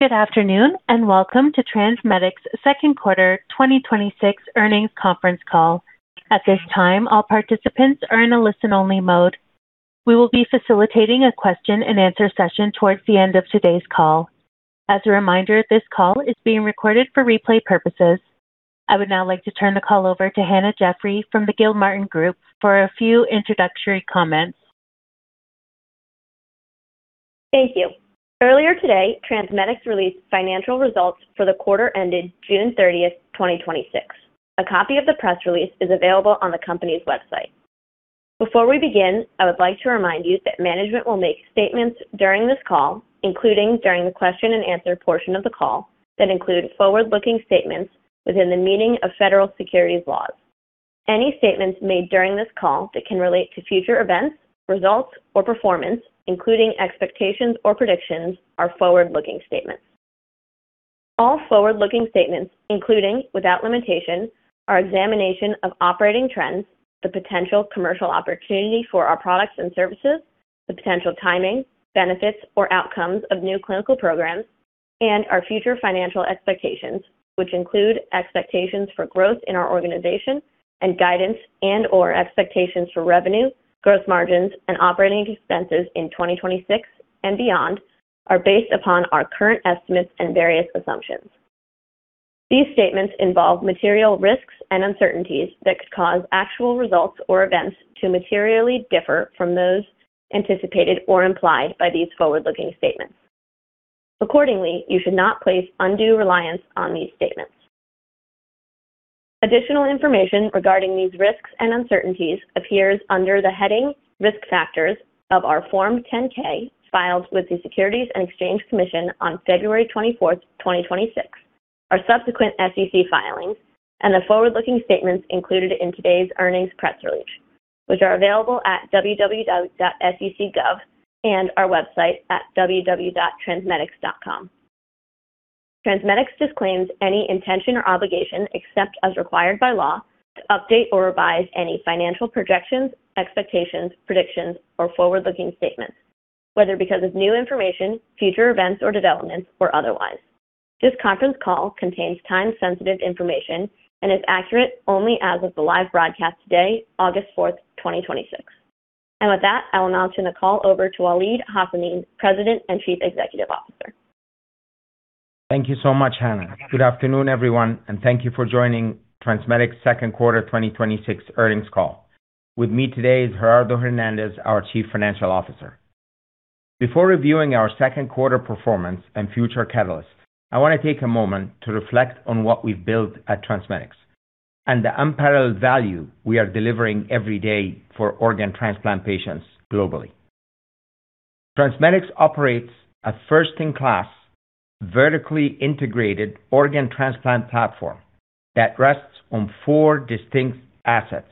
Good afternoon, welcome to TransMedics' second quarter 2026 earnings conference call. At this time, all participants are in a listen-only mode. We will be facilitating a question and answer session towards the end of today's call. As a reminder, this call is being recorded for replay purposes. I would now like to turn the call over to Hannah Jeffrey from The Gilmartin Group for a few introductory comments. Thank you. Earlier today, TransMedics released financial results for the quarter ended June 30th, 2026. A copy of the press release is available on the company's website. Before we begin, I would like to remind you that management will make statements during this call, including during the question and answer portion of the call, that include forward-looking statements within the meaning of federal securities laws. Any statements made during this call that can relate to future events, results, or performance, including expectations or predictions, are forward-looking statements. All forward-looking statements, including, without limitation, our examination of operating trends, the potential commercial opportunity for our products and services, the potential timing, benefits, or outcomes of new clinical programs, and our future financial expectations, which include expectations for growth in our organization and guidance and/or expectations for revenue, gross margins, and operating expenses in 2026 and beyond, are based upon our current estimates and various assumptions. These statements involve material risks and uncertainties that could cause actual results or events to materially differ from those anticipated or implied by these forward-looking statements. Accordingly, you should not place undue reliance on these statements. Additional information regarding these risks and uncertainties appears under the heading Risk Factors of our Form 10-K filed with the Securities and Exchange Commission on February 24th, 2026, our subsequent SEC filings, and the forward-looking statements included in today's earnings press release, which are available at www.sec.gov and our website at www.transmedics.com. TransMedics disclaims any intention or obligation except as required by law to update or revise any financial projections, expectations, predictions, or forward-looking statements, whether because of new information, future events or developments, or otherwise. This conference call contains time-sensitive information and is accurate only as of the live broadcast today, August 4th, 2026. With that, I will now turn the call over to Waleed Hassanein, President and Chief Executive Officer. Thank you so much, Hannah. Good afternoon, everyone, and thank you for joining TransMedics' second quarter 2026 earnings call. With me today is Gerardo Hernandez, our Chief Financial Officer. Before reviewing our second quarter performance and future catalysts, I want to take a moment to reflect on what we've built at TransMedics and the unparalleled value we are delivering every day for organ transplant patients globally. TransMedics operates a first-in-class, vertically integrated organ transplant platform that rests on four distinct assets.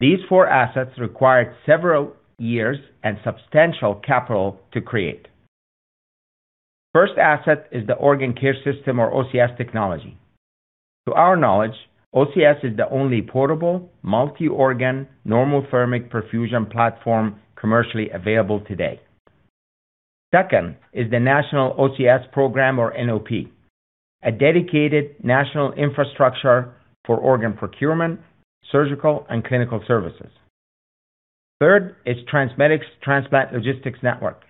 These four assets required several years and substantial capital to create. First asset is the Organ Care System, or OCS technology. To our knowledge, OCS is the only portable multi-organ normothermic perfusion platform commercially available today. Second is the National OCS Program, or NOP, a dedicated national infrastructure for organ procurement, surgical, and clinical services. Third is TransMedics Transplant Logistics Network,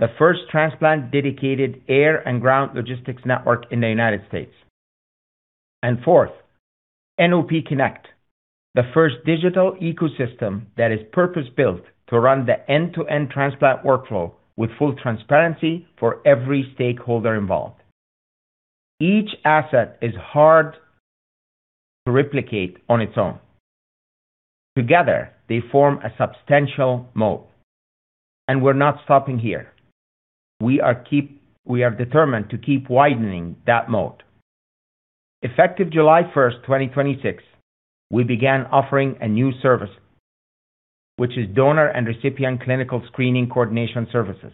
the first transplant-dedicated air and ground logistics network in the United State. Fourth, NOP Connect, the first digital ecosystem that is purpose-built to run the end-to-end transplant workflow with full transparency for every stakeholder involved. Each asset is hard to replicate on its own. Together, they form a substantial moat, and we're not stopping here. We are determined to keep widening that moat. Effective July 1st, 2026, we began offering a new service, which is Donor and Recipient Clinical Screening Coordination Services,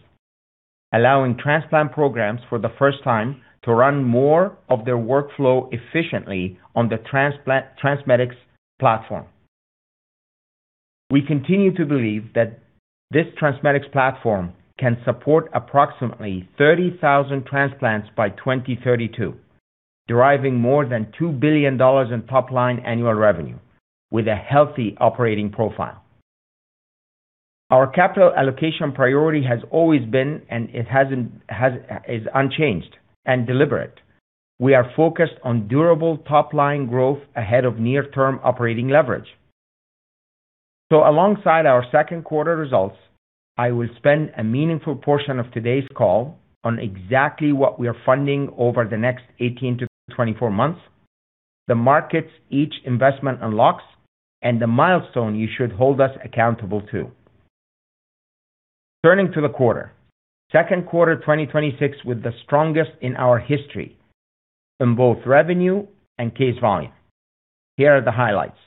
allowing transplant programs for the first time to run more of their workflow efficiently on the TransMedics platform. We continue to believe that this TransMedics platform can support approximately 30,000 transplants by 2032, deriving more than $2 billion in top-line annual revenue with a healthy operating profile. Our capital allocation priority has always been, and it is unchanged and deliberate. We are focused on durable top-line growth ahead of near-term operating leverage. Alongside our second quarter results, I will spend a meaningful portion of today's call on exactly what we are funding over the next 18-24 months, the markets each investment unlocks, and the milestone you should hold us accountable to. Turning to the quarter, second quarter 2026 with the strongest in our history in both revenue and case volume. Here are the highlights.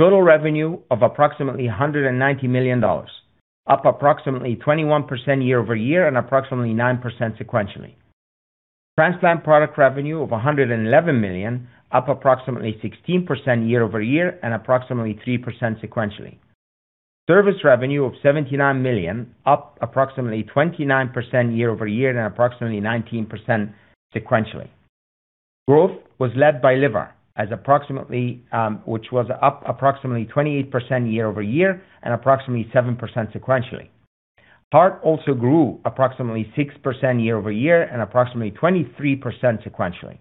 Total revenue of approximately $190 million, up approximately 21% year-over-year and approximately 9% sequentially. Transplant product revenue of $111 million, up approximately 16% year-over-year and approximately 3% sequentially. Service revenue of $79 million, up approximately 29% year-over-year and approximately 19% sequentially. Growth was led by liver, which was up approximately 28% year-over-year and approximately 7% sequentially. Heart also grew approximately 6% year-over-year and approximately 23% sequentially,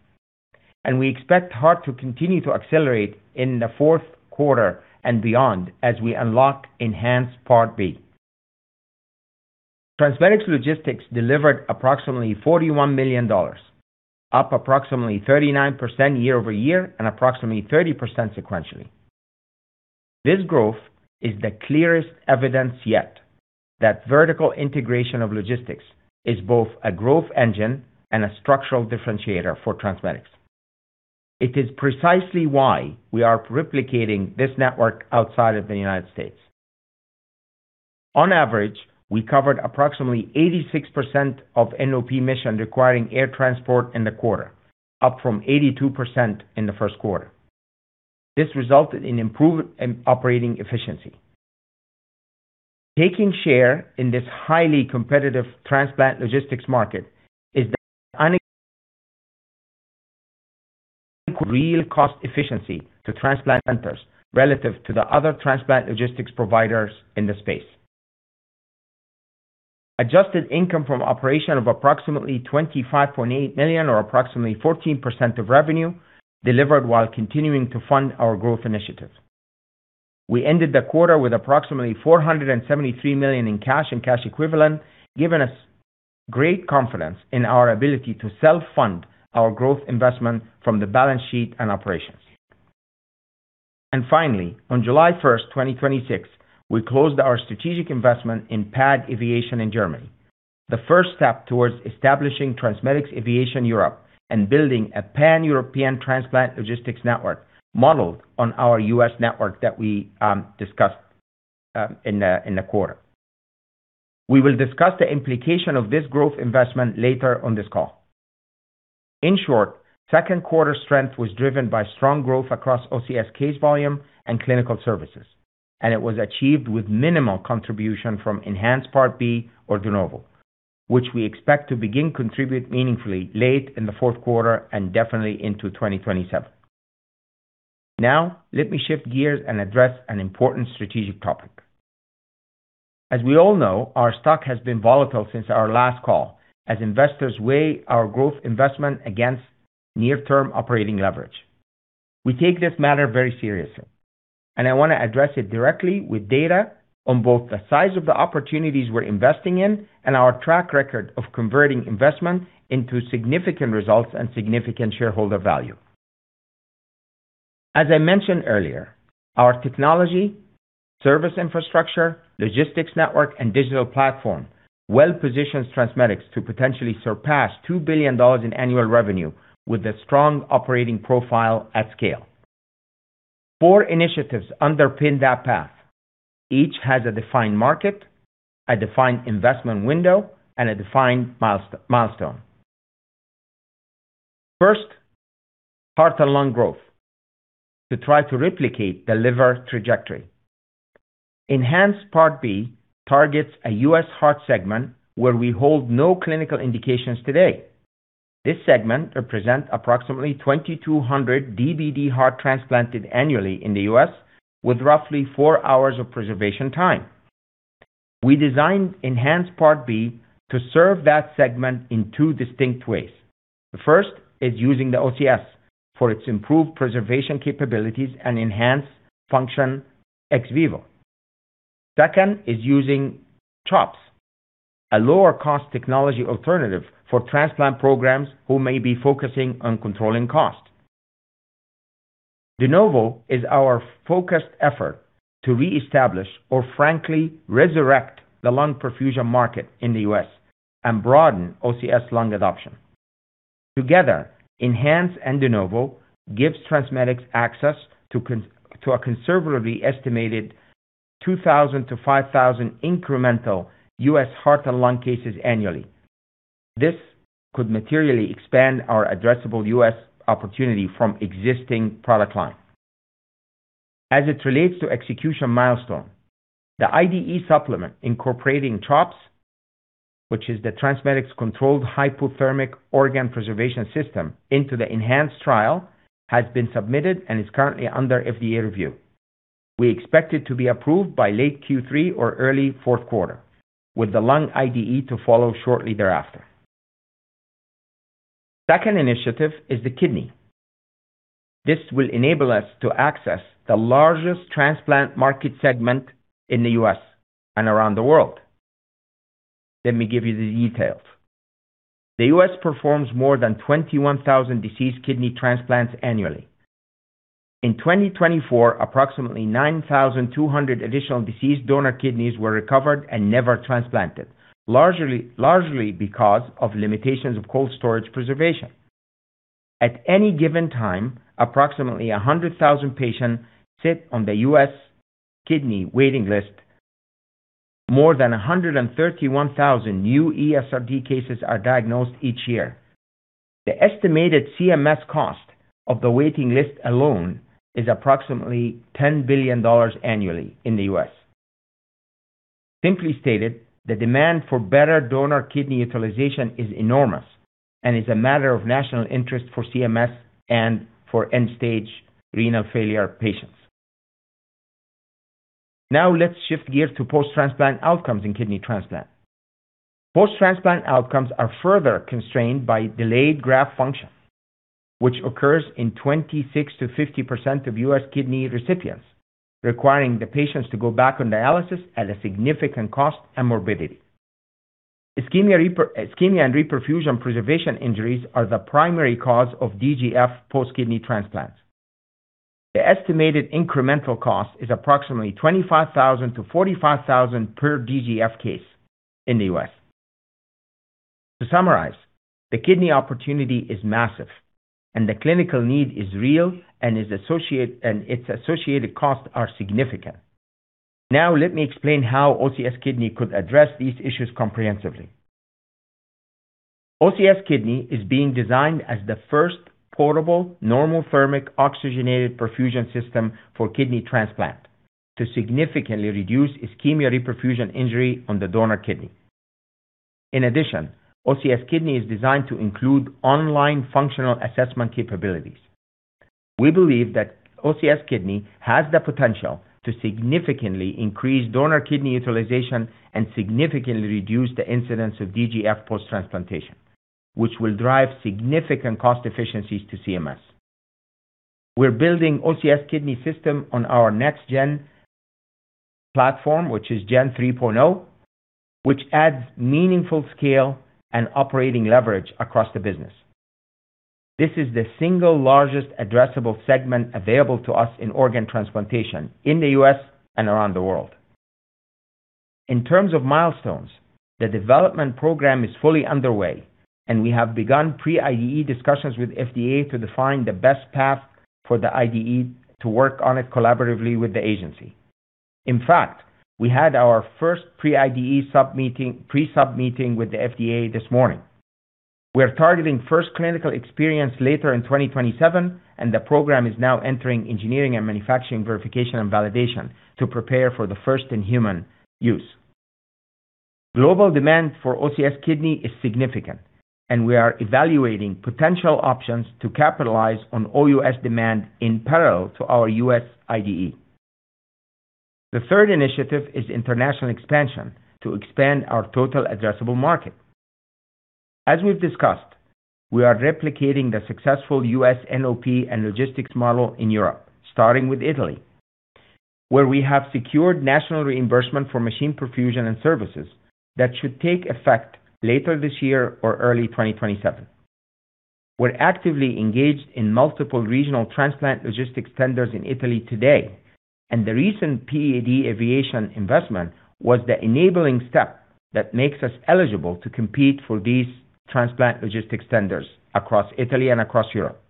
and we expect heart to continue to accelerate in the fourth quarter and beyond as we unlock ENHANCE Heart Part B. TransMedics Logistics delivered approximately $41 million, up approximately 39% year-over-year and approximately 30% sequentially. This growth is the clearest evidence yet that vertical integration of logistics is both a growth engine and a structural differentiator for TransMedics. It is precisely why we are replicating this network outside of the United State. On average, we covered approximately 86% of NOP mission requiring air transport in the quarter, up from 82% in the first quarter. This resulted in improved operating efficiency. Taking share in this highly competitive transplant logistics market is the unequaled real cost efficiency to transplant centers relative to the other transplant logistics providers in the space. Adjusted income from operation of approximately $25.8 million, or approximately 14% of revenue, delivered while continuing to fund our growth initiatives. We ended the quarter with approximately $473 million in cash and cash equivalent, giving us great confidence in our ability to self-fund our growth investment from the balance sheet and operations. Finally, on July 1st, 2026, we closed our strategic investment in PAD Aviation in Germany, the first step towards establishing TransMedics Aviation Europe and building a Pan-European transplant logistics network modeled on our U.S. network that we discussed in the quarter. We will discuss the implication of this growth investment later on this call. In short, second quarter strength was driven by strong growth across OCS case volume and clinical services, it was achieved with minimal contribution from ENHANCE Part B or DENOVO, which we expect to begin contribute meaningfully late in the fourth quarter and definitely into 2027. Let me shift gears and address an important strategic topic. As we all know, our stock has been volatile since our last call as investors weigh our growth investment against near-term operating leverage. We take this matter very seriously, I want to address it directly with data on both the size of the opportunities we're investing in and our track record of converting investment into significant results and significant shareholder value. As I mentioned earlier, our technology, service infrastructure, logistics network, and digital platform well positions TransMedics to potentially surpass $2 billion in annual revenue with a strong operating profile at scale. Four initiatives underpin that path. Each has a defined market, a defined investment window, and a defined milestone. First, heart and Lung growth to try to replicate the Liver trajectory. ENHANCE Part B targets a U.S. heart segment where we hold no clinical indications today. This segment represents approximately 2,200 DBD heart transplanted annually in the U.S., with roughly four hours of preservation time. We designed ENHANCE Part B to serve that segment in two distinct ways. The first is using the OCS for its improved preservation capabilities and enhance function ex vivo. Second is using CHOPS, a lower-cost technology alternative for transplant programs who may be focusing on controlling cost. DENOVO is our focused effort to reestablish or frankly resurrect the Lung perfusion market in the U.S. and broaden OCS Lung adoption. Together, ENHANCE and DENOVO gives TransMedics access to a conservatively estimated 2,000-5,000 incremental U.S. heart and Lung cases annually. This could materially expand our addressable U.S. opportunity from existing product line. As it relates to execution milestone, the IDE supplement incorporating CHOPS, which is the TransMedics Controlled Hypothermic Organ Preservation System into the ENHANCE trial, has been submitted and is currently under FDA review. We expect it to be approved by late Q3 or early fourth quarter, with the Lung IDE to follow shortly thereafter. Second initiative is the kidney. This will enable us to access the largest transplant market segment in the U.S. and around the world. Let me give you the details. The U.S. performs more than 21,000 deceased kidney transplants annually. In 2024, approximately 9,200 additional deceased donor kidneys were recovered and never transplanted, largely because of limitations of cold storage preservation. At any given time, approximately 100,000 patients sit on the U.S. kidney waiting list. More than 131,000 new ESRD cases are diagnosed each year. The estimated CMS cost of the waiting list alone is approximately $10 billion annually in the U.S. Simply stated, the demand for better donor kidney utilization is enormous and is a matter of national interest for CMS and for end-stage renal failure patients. Now let's shift gears to post-transplant outcomes in kidney transplant. Post-transplant outcomes are further constrained by delayed graft function, which occurs in 26%-50% of U.S. kidney recipients, requiring the patients to go back on dialysis at a significant cost and morbidity. Ischemia and reperfusion preservation injuries are the primary cause of DGF post kidney transplants. The estimated incremental cost is approximately $25,000-$45,000 per DGF case in the U.S. To summarize, the kidney opportunity is massive, and the clinical need is real and its associated costs are significant. Now let me explain how OCS Kidney could address these issues comprehensively. OCS Kidney is being designed as the first portable normothermic oxygenated perfusion system for kidney transplant to significantly reduce ischemia reperfusion injury on the donor kidney. In addition, OCS Kidney is designed to include online functional assessment capabilities. We believe that OCS Kidney has the potential to significantly increase donor kidney utilization and significantly reduce the incidence of DGF post-transplantation, which will drive significant cost efficiencies to CMS. We're building OCS Kidney system on our next-gen platform, which is Gen 3.0, which adds meaningful scale and operating leverage across the business. This is the single largest addressable segment available to us in organ transplantation in the U.S. and around the world. In terms of milestones, the development program is fully underway, and we have begun pre-IDE discussions with FDA to define the best path for the IDE to work on it collaboratively with the agency. In fact, we had our first pre-IDE sub-meeting, pre-sub meeting with the FDA this morning. We're targeting first clinical experience later in 2027, and the program is now entering engineering and manufacturing verification and validation to prepare for the first in-human use. Global demand for OCS Kidney is significant, and we are evaluating potential options to capitalize on OUS demand in parallel to our U.S. IDE. The third initiative is international expansion to expand our total addressable market. As we've discussed, we are replicating the successful U.S. NOP and logistics model in Europe, starting with Italy, where we have secured national reimbursement for machine perfusion and services that should take effect later this year or early 2027. We're actively engaged in multiple regional transplant logistics tenders in Italy today, and the recent PAD Aviation investment was the enabling step that makes us eligible to compete for these transplant logistics tenders across Italy and across Europe.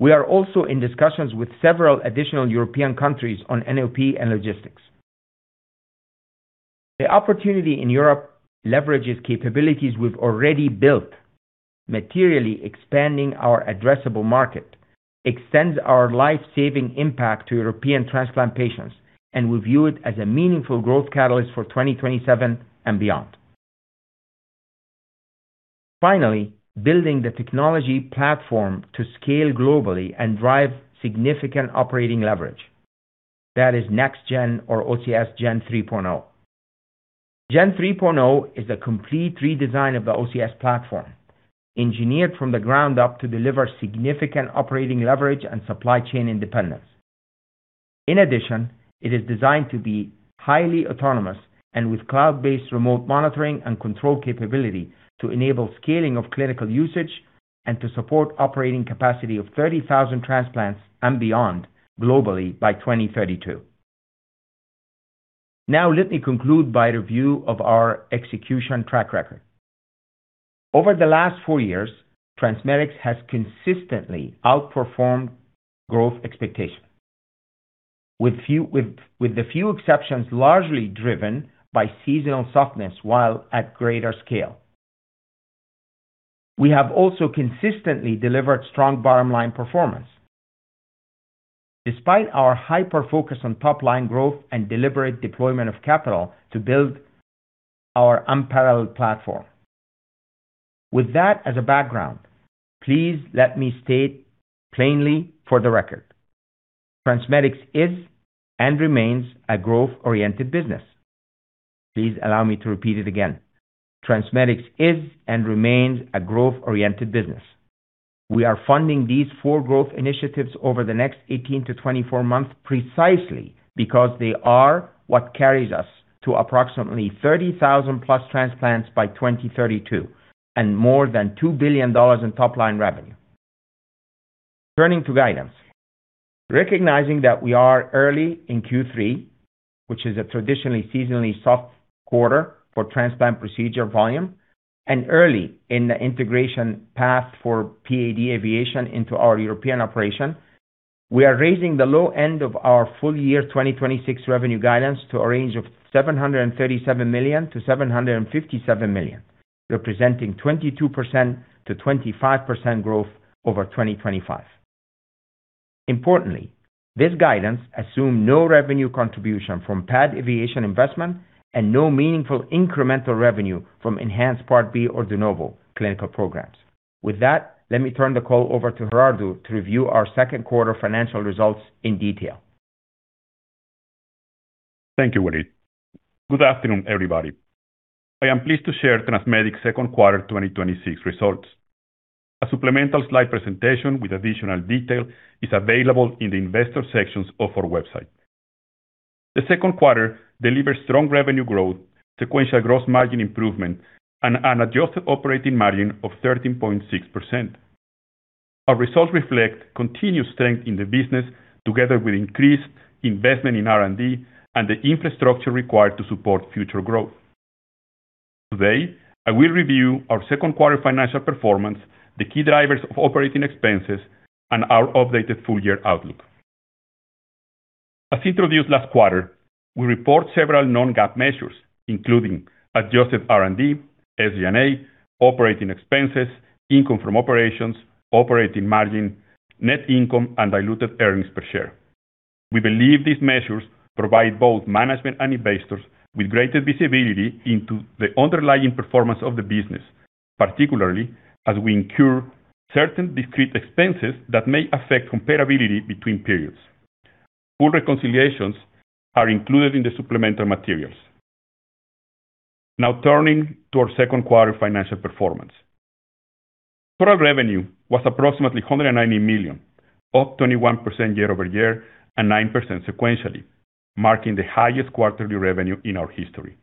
We are also in discussions with several additional European countries on NOP and logistics. The opportunity in Europe leverages capabilities we've already built, materially expanding our addressable market, extends our life-saving impact to European transplant patients, and we view it as a meaningful growth catalyst for 2027 and beyond. Finally, building the technology platform to scale globally and drive significant operating leverage. That is next-gen or OCS Gen 3.0. Gen 3.0 is a complete redesign of the OCS platform, engineered from the ground up to deliver significant operating leverage and supply chain independence. In addition, it is designed to be highly autonomous and with cloud-based remote monitoring and control capability to enable scaling of clinical usage and to support operating capacity of 30,000 transplants and beyond globally by 2032. Let me conclude by review of our execution track record. Over the last four years, TransMedics has consistently outperformed growth expectations. With the few exceptions largely driven by seasonal softness while at greater scale. We have also consistently delivered strong bottom-line performance. Despite our hyper-focus on top-line growth and deliberate deployment of capital to build our unparalleled platform. With that as a background, please let me state plainly for the record, TransMedics is and remains a growth-oriented business. Please allow me to repeat it again. TransMedics is and remains a growth-oriented business. We are funding these four growth initiatives over the next 18-24 months precisely because they are what carries us to approximately 30,000 plus transplants by 2032 and more than $2 billion in top-line revenue. Turning to guidance. Recognizing that we are early in Q3, which is a traditionally seasonally soft quarter for transplant procedure volume and early in the integration path for PAD Aviation into our European operation. We are raising the low end of our full year 2026 revenue guidance to a range of $737 million-$757 million, representing 22%-25% growth over 2025. Importantly, this guidance assume no revenue contribution from PAD Aviation Investment and no meaningful incremental revenue from ENHANCE Part B or DENOVO clinical programs. With that, let me turn the call over to Gerardo to review our second quarter financial results in detail. Thank you, Waleed. Good afternoon, everybody. I am pleased to share TransMedics' second quarter 2026 results. A supplemental slide presentation with additional detail is available in the Investors sections of our website. The second quarter delivered strong revenue growth, sequential gross margin improvement, and an adjusted operating margin of 13.6%. Our results reflect continued strength in the business together with increased investment in R&D and the infrastructure required to support future growth. Today, I will review our second quarter financial performance, the key drivers of operating expenses, and our updated full-year outlook. As introduced last quarter, we report several non-GAAP measures, including adjusted R&D, SG&A, operating expenses, income from operations, operating margin, net income and diluted earnings per share. We believe these measures provide both management and investors with greater visibility into the underlying performance of the business, particularly as we incur certain discrete expenses that may affect comparability between periods. Full reconciliations are included in the supplemental materials. Turning to our second quarter financial performance. Total revenue was approximately $190 million, up 21% year-over-year and 9% sequentially, marking the highest quarterly revenue in our history.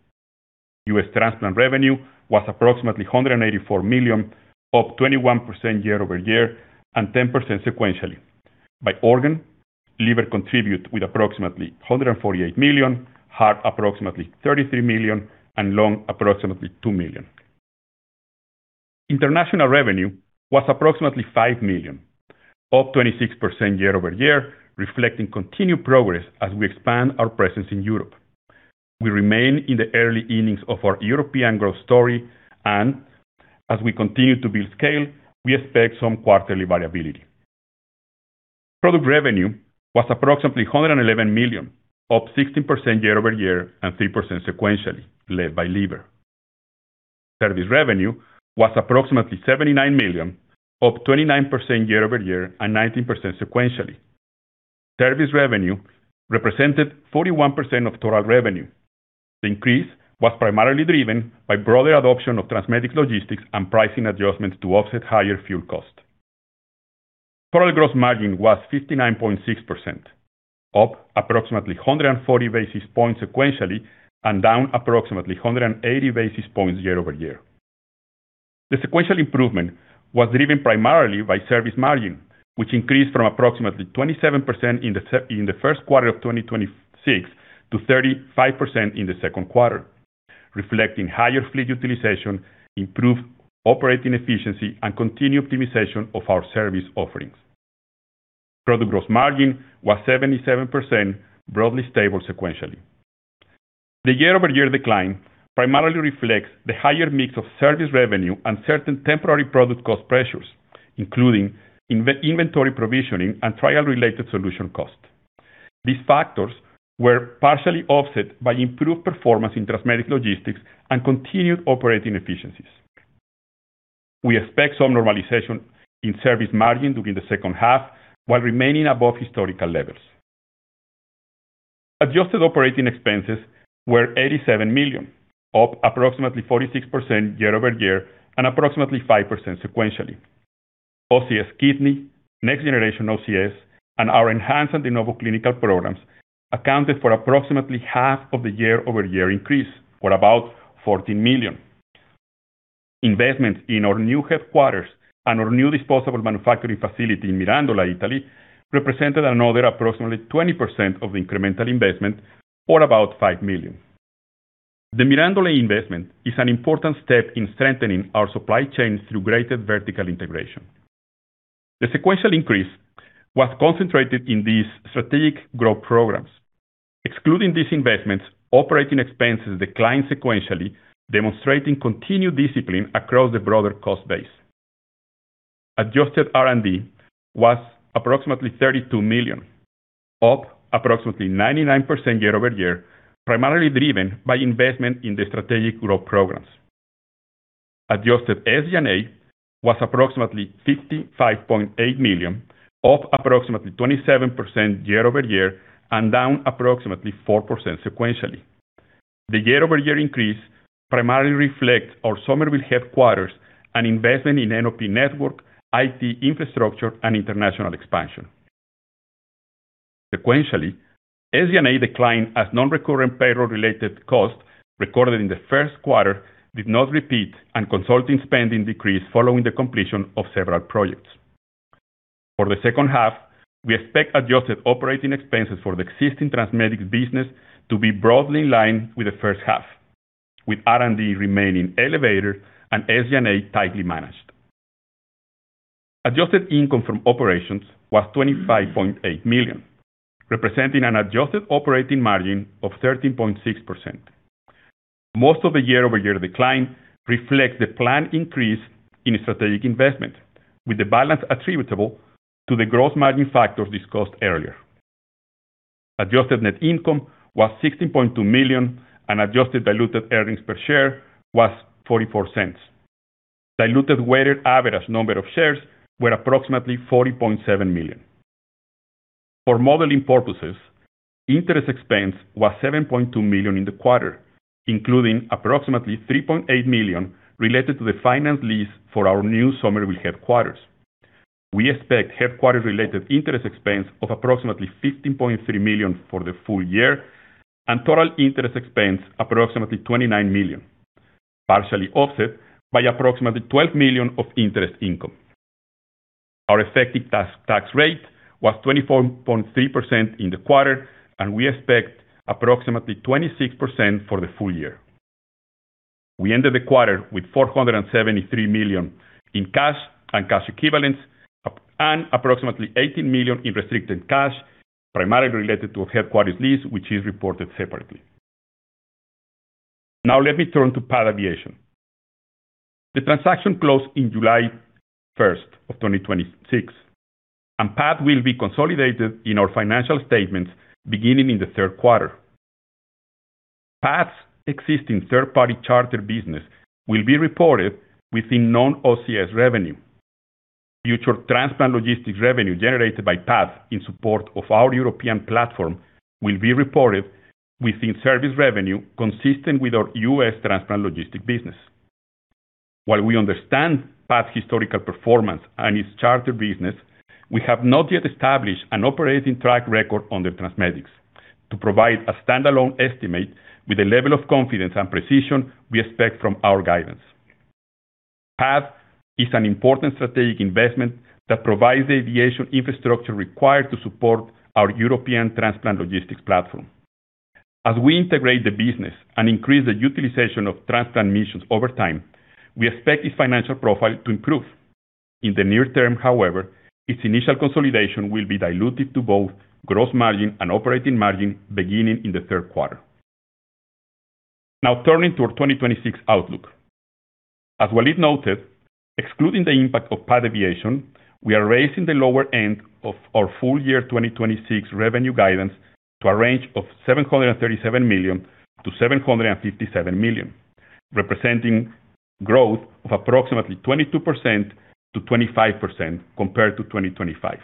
U.S. transplant revenue was approximately $184 million, up 21% year-over-year and 10% sequentially. By organ, liver contribute with approximately $148 million, heart approximately $33 million, and lung approximately $2 million. International revenue was approximately $5 million, up 26% year-over-year, reflecting continued progress as we expand our presence in Europe. We remain in the early innings of our European growth story, and as we continue to build scale, we expect some quarterly variability. Product revenue was approximately $111 million, up 16% year-over-year and 3% sequentially, led by liver. Service revenue was approximately $79 million, up 29% year-over-year and 19% sequentially. Service revenue represented 41% of total revenue. The increase was primarily driven by broader adoption of TransMedics logistics and pricing adjustments to offset higher fuel cost. Total gross margin was 59.6%, up approximately 140 basis points sequentially and down approximately 180 basis points year-over-year. The sequential improvement was driven primarily by service margin, which increased from approximately 27% in the first quarter of 2026 to 35% in the second quarter, reflecting higher fleet utilization, improved operating efficiency, and continued optimization of our service offerings. Product gross margin was 77%, broadly stable sequentially. The year-over-year decline primarily reflects the higher mix of service revenue and certain temporary product cost pressures, including inventory provisioning and trial-related solution cost. These factors were partially offset by improved performance in TransMedics logistics and continued operating efficiencies. We expect some normalization in service margin during the second half while remaining above historical levels. Adjusted operating expenses were $87 million, up approximately 46% year-over-year and approximately 5% sequentially. OCS Kidney, next-generation OCS, and our ENHANCE and DENOVO clinical programs accounted for approximately half of the year-over-year increase for about $14 million. Investments in our new headquarters and our new disposable manufacturing facility in Mirandola, Italy, represented another approximately 20% of the incremental investment for about $5 million. The Mirandola investment is an important step in strengthening our supply chain through greater vertical integration. The sequential increase was concentrated in these strategic growth programs. Excluding these investments, operating expenses declined sequentially, demonstrating continued discipline across the broader cost base. Adjusted R&D was approximately $32 million, up approximately 99% year-over-year, primarily driven by investment in the strategic growth programs. Adjusted SG&A was approximately $55.8 million, up approximately 27% year-over-year and down approximately 4% sequentially. The year-over-year increase primarily reflects our Somerville headquarters and investment in NOP network, IT infrastructure, and international expansion. Sequentially, SG&A declined as non-recurring payroll-related costs recorded in the first quarter did not repeat and consulting spending decreased following the completion of several projects. For the second half, we expect adjusted operating expenses for the existing TransMedics business to be broadly in line with the first half with R&D remaining elevated and SG&A tightly managed. Adjusted income from operations was $25.8 million, representing an adjusted operating margin of 13.6%. Most of the year-over-year decline reflects the planned increase in strategic investment, with the balance attributable to the gross margin factors discussed earlier. Adjusted net income was $16.2 million, and adjusted diluted earnings per share was $0.44. Diluted weighted average number of shares were approximately 40.7 million. For modeling purposes, interest expense was $7.2 million in the quarter, including approximately $3.8 million related to the finance lease for our new Somerville headquarters. We expect headquarters-related interest expense of approximately $15.3 million for the full year and total interest expense approximately $29 million, partially offset by approximately $12 million of interest income. Our effective tax rate was 24.3% in the quarter, and we expect approximately 26% for the full year. We ended the quarter with $473 million in cash and cash equivalents and approximately $18 million in restricted cash, primarily related to a headquarters lease, which is reported separately. Now let me turn to PAD Aviation. The transaction closed on July 1st, 2026, and PAD will be consolidated in our financial statements beginning in the third quarter. PAD's existing third-party charter business will be reported within non-OCS revenue. Future transplant logistics revenue generated by PAD in support of our European platform will be reported within service revenue consistent with our U.S. transplant logistics business. While we understand PAD's historical performance and its charter business, we have not yet established an operating track record under TransMedics to provide a standalone estimate with the level of confidence and precision we expect from our guidance. PAD is an important strategic investment that provides the aviation infrastructure required to support our European transplant logistics platform. As we integrate the business and increase the utilization of transplant missions over time, we expect its financial profile to improve. In the near term, however, its initial consolidation will be dilutive to both gross margin and operating margin beginning in the third quarter. Now turning to our 2026 outlook. As Waleed noted, excluding the impact of PAD Aviation, we are raising the lower end of our full year 2026 revenue guidance to a range of $737 million-$757 million, representing growth of approximately 22%-25% compared to 2025.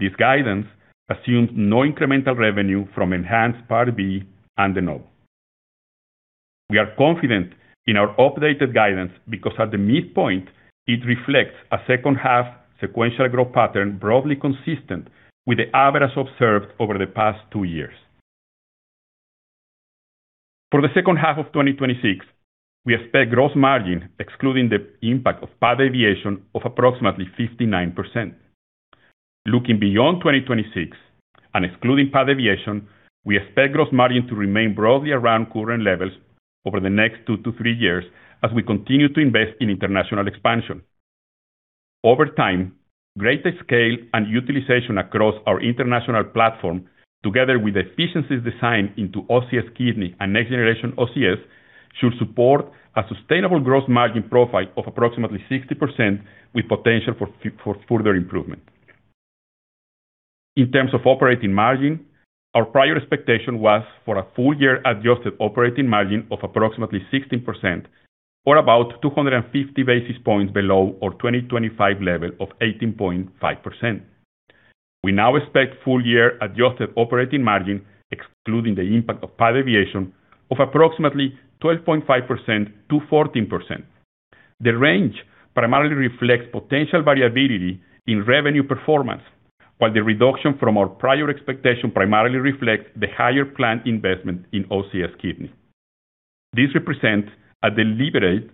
This guidance assumes no incremental revenue from ENHANCE Part B and DENOVO. We are confident in our updated guidance because, at the midpoint, it reflects a second-half sequential growth pattern broadly consistent with the average observed over the past two years. For the second half of 2026, we expect gross margin, excluding the impact of PAD Aviation, of approximately 59%. Looking beyond 2026 and excluding PAD Aviation, we expect gross margin to remain broadly around current levels over the next two to three years as we continue to invest in international expansion. Over time, greater scale and utilization across our international platform, together with efficiencies designed into OCS Kidney and next-generation OCS, should support a sustainable gross margin profile of approximately 60% with potential for further improvement. In terms of operating margin, our prior expectation was for a full-year adjusted operating margin of approximately 16%, or about 250 basis points below our 2025 level of 18.5%. We now expect full-year adjusted operating margin, excluding the impact of PAD Aviation, of approximately 12.5%-14%. The range primarily reflects potential variability in revenue performance, while the reduction from our prior expectation primarily reflects the higher planned investment in OCS Kidney. This represents a deliberate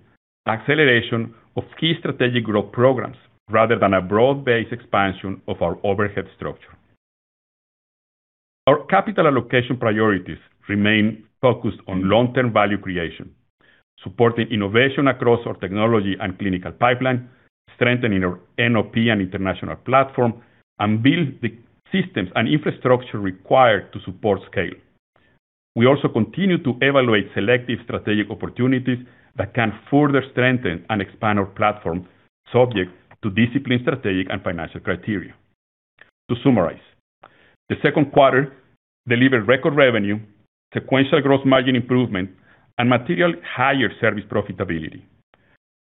acceleration of key strategic growth programs rather than a broad-based expansion of our overhead structure. Our capital allocation priorities remain focused on long-term value creation, supporting innovation across our technology and clinical pipeline, strengthening our NOP and international platform, and building the systems and infrastructure required to support scale. We also continue to evaluate selective strategic opportunities that can further strengthen and expand our platform subject to disciplined strategic and financial criteria. To summarize, the second quarter delivered record revenue, sequential gross margin improvement, and material higher service profitability.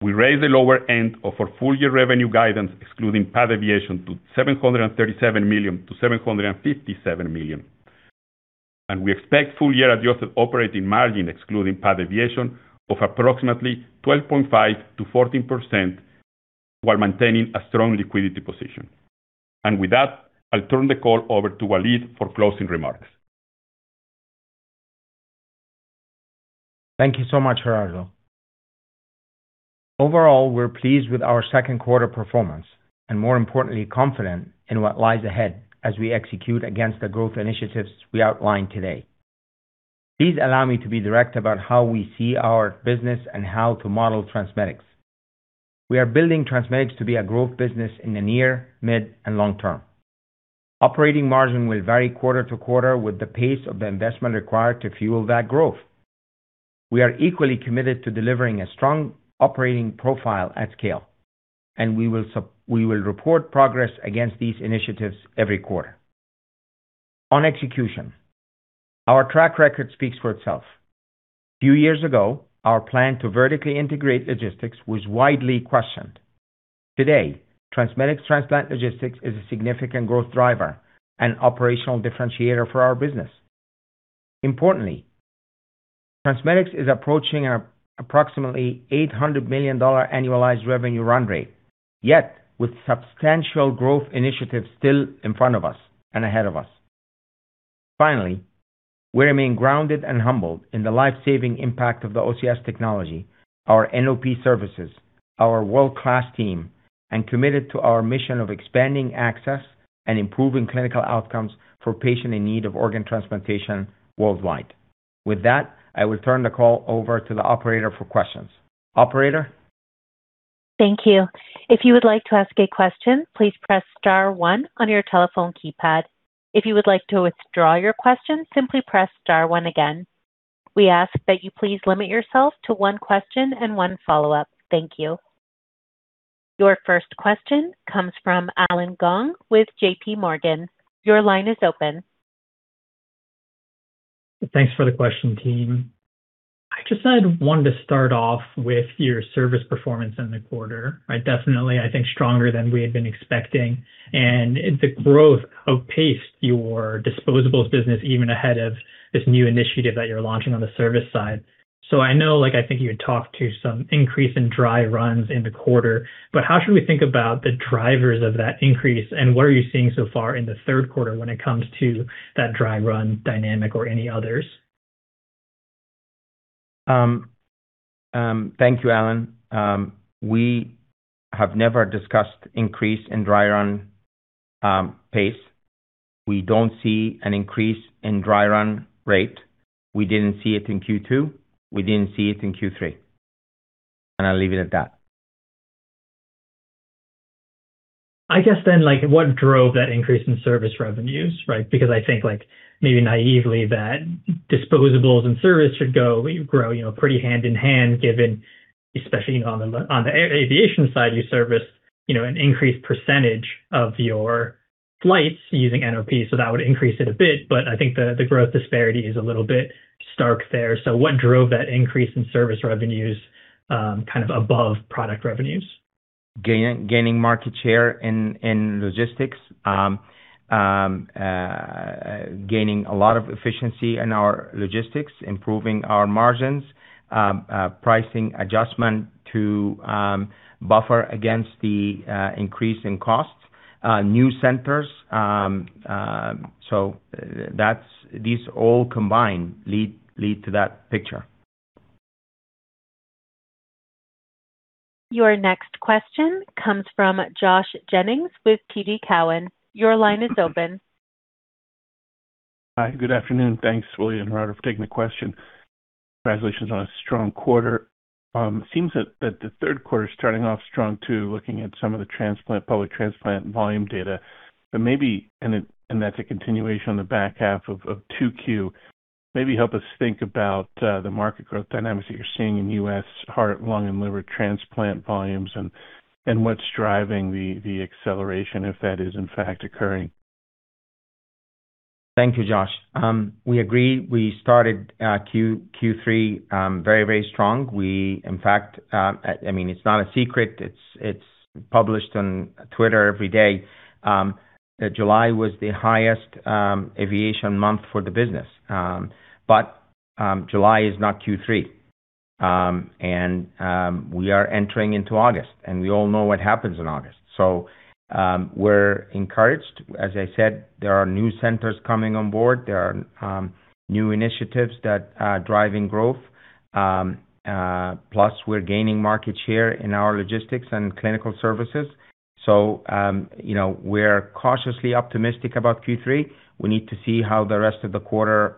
We raised the lower end of our full-year revenue guidance, excluding PAD Aviation, to $737 million-$757 million. We expect full-year adjusted operating margin, excluding PAD Aviation, of approximately 12.5%-14% while maintaining a strong liquidity position. With that, I'll turn the call over to Waleed for closing remarks. Thank you so much, Gerardo. Overall, we're pleased with our second quarter performance and, more importantly, confident in what lies ahead as we execute against the growth initiatives we outlined today. Please allow me to be direct about how we see our business and how to model TransMedics. We are building TransMedics to be a growth business in the near, mid, and long term. Operating margin will vary quarter to quarter with the pace of the investment required to fuel that growth. We are equally committed to delivering a strong operating profile at scale, and we will report progress against these initiatives every quarter. On execution, our track record speaks for itself. A few years ago, our plan to vertically integrate logistics was widely questioned. Today, TransMedics Transplant Logistics is a significant growth driver and operational differentiator for our business. Importantly, TransMedics is approaching an approximately $800 million annualized revenue run rate, yet with substantial growth initiatives still in front of us and ahead of us. Finally, we remain grounded and humbled in the life-saving impact of the OCS technology, our NOP services, our world-class team, and committed to our mission of expanding access and improving clinical outcomes for patients in need of organ transplantation worldwide. With that, I will turn the call over to the operator for questions. Operator? Thank you. If you would like to ask a question, please press star one on your telephone keypad. If you would like to withdraw your question, simply press star one again. We ask that you please limit yourself to one question and one follow-up. Thank you. Your first question comes from Allen Gong with JPMorgan. Your line is open. Thanks for the question, team. I just had one to start off with your service performance in the quarter. Definitely, I think stronger than we had been expecting. The growth outpaced your disposables business even ahead of this new initiative that you're launching on the service side. I know, I think you had talked to some increase in dry runs in the quarter, but how should we think about the drivers of that increase, and what are you seeing so far in the third quarter when it comes to that dry run dynamic or any others? Thank you, Allen. We have never discussed increase in dry run pace. We don't see an increase in dry run rate. We didn't see it in Q2, we didn't see it in Q3. I'll leave it at that. I guess, what drove that increase in service revenues, right? Because I think, maybe naively, that disposables and service should grow pretty hand in hand given, especially on the aviation side, you service an increased percentage of your flights using NOP, so that would increase it a bit. I think the growth disparity is a little bit stark there. What drove that increase in service revenues above product revenues? Gaining market share in logistics. Gaining a lot of efficiency in our logistics, improving our margins, pricing adjustment to buffer against the increase in costs. New centers. These all combined lead to that picture. Your next question comes from Josh Jennings with TD Cowen. Your line is open. Hi, good afternoon. Thanks, Waleed and Gerardo, for taking the question. Congratulations on a strong quarter. Seems that the third quarter is starting off strong too, looking at some of the transplant, public transplant volume data. Maybe, and that's a continuation on the back half of 2Q, maybe help us think about the market growth dynamics that you're seeing in U.S. heart, lung and liver transplant volumes and what's driving the acceleration, if that is in fact occurring. Thank you, Josh. We agree. We started Q3 very, very strong. In fact, it's not a secret, it's published on X every day, that July was the highest aviation month for the business. July is not Q3. We are entering into August, and we all know what happens in August. We're encouraged. As I said, there are new centers coming on board. There are new initiatives that are driving growth. Plus, we're gaining market share in our logistics and clinical services. We're cautiously optimistic about Q3. We need to see how the rest of the quarter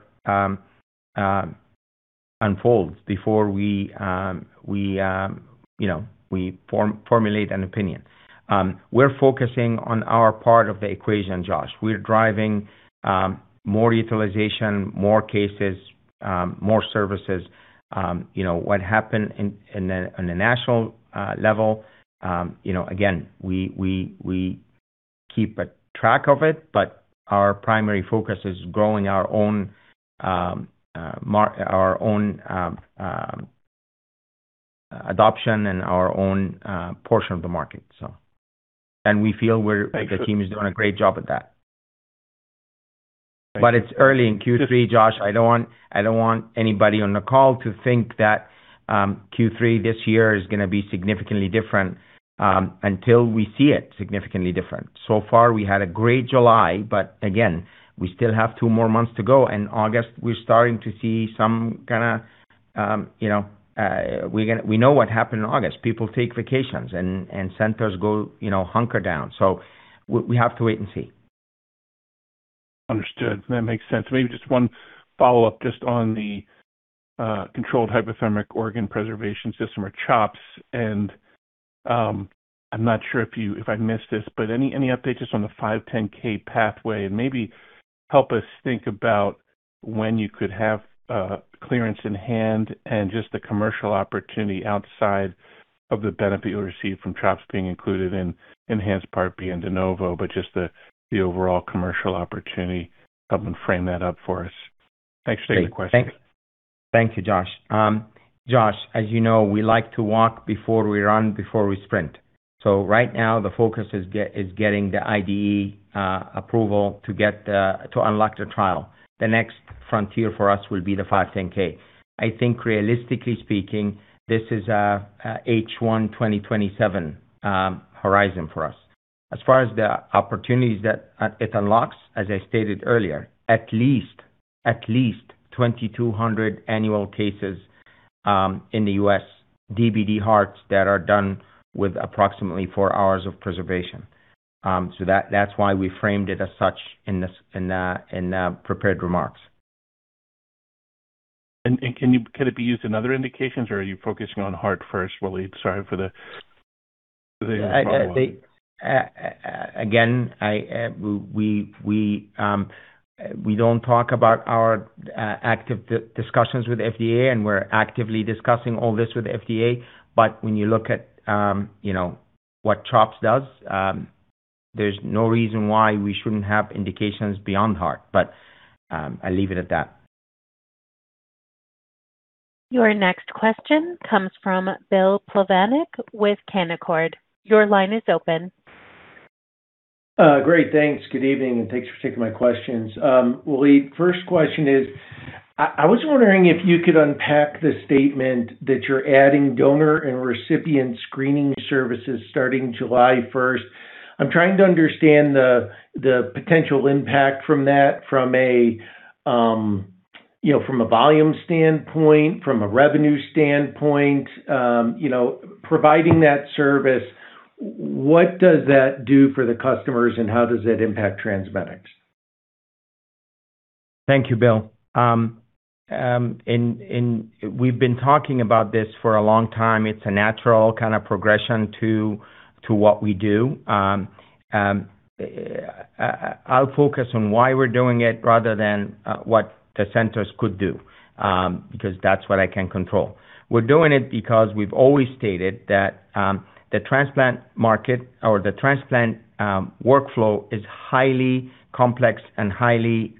unfolds before we formulate an opinion. We're focusing on our part of the equation, Josh. We're driving more utilization, more cases, more services. What happened on the national level, again, we keep track of it, but our primary focus is growing our own adoption and our own portion of the market. We feel the team is doing a great job at that. It's early in Q3, Josh. I don't want anybody on the call to think that Q3 this year is going to be significantly different until we see it significantly different. So far, we had a great July, but again, we still have two more months to go, and August, We know what happened in August. People take vacations and centers go hunker down. We have to wait and see. Understood. That makes sense. Maybe just one follow-up just on the Controlled Hypothermic Organ Preservation System, or CHOPS. I'm not sure if I missed this, but any updates just on the 510K pathway? Maybe help us think about when you could have clearance in hand and just the commercial opportunity outside of the benefit you'll receive from CHOPS being included in ENHANCE Part B and DENOVO, but just the overall commercial opportunity. Come and frame that up for us. Thanks for taking the question. Thank you, Josh. Josh, as you know, we like to walk before we run, before we sprint. Right now, the focus is getting the IDE approval to unlock the trial. The next frontier for us will be the 510K. I think realistically speaking, this is a H1 2027 horizon for us. As far as the opportunities that it unlocks, as I stated earlier, at least 2,200 annual cases in the U.S., DBD hearts that are done with approximately four hours of preservation. That's why we framed it as such in the prepared remarks. Can it be used in other indications, or are you focusing on heart first, Waleed? Sorry for the follow-on. Again, we don't talk about our active discussions with FDA. We're actively discussing all this with FDA. When you look at what CHOPS does, there's no reason why we shouldn't have indications beyond heart. I leave it at that. Your next question comes from Bill Plovanic with Canaccord. Your line is open. Great. Thanks. Good evening, and thanks for taking my questions. Waleed, first question is, I was wondering if you could unpack the statement that you're adding donor and recipient screening services starting July 1st, 2026. I'm trying to understand the potential impact from that from a volume standpoint, from a revenue standpoint. Providing that service, what does that do for the customers, and how does it impact TransMedics? Thank you, Bill. We've been talking about this for a long time. It's a natural kind of progression to what we do. I'll focus on why we're doing it rather than what the centers could do, because that's what I can control. We're doing it because we've always stated that the transplant market or the transplant workflow is highly complex and highly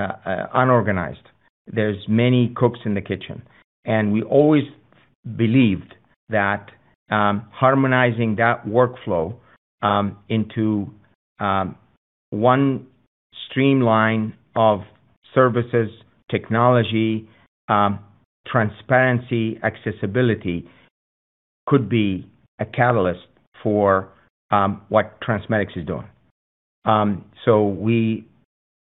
unorganized. There's many cooks in the kitchen. We always believed that harmonizing that workflow into one streamline of services, technology, transparency, accessibility, could be a catalyst for what TransMedics is doing.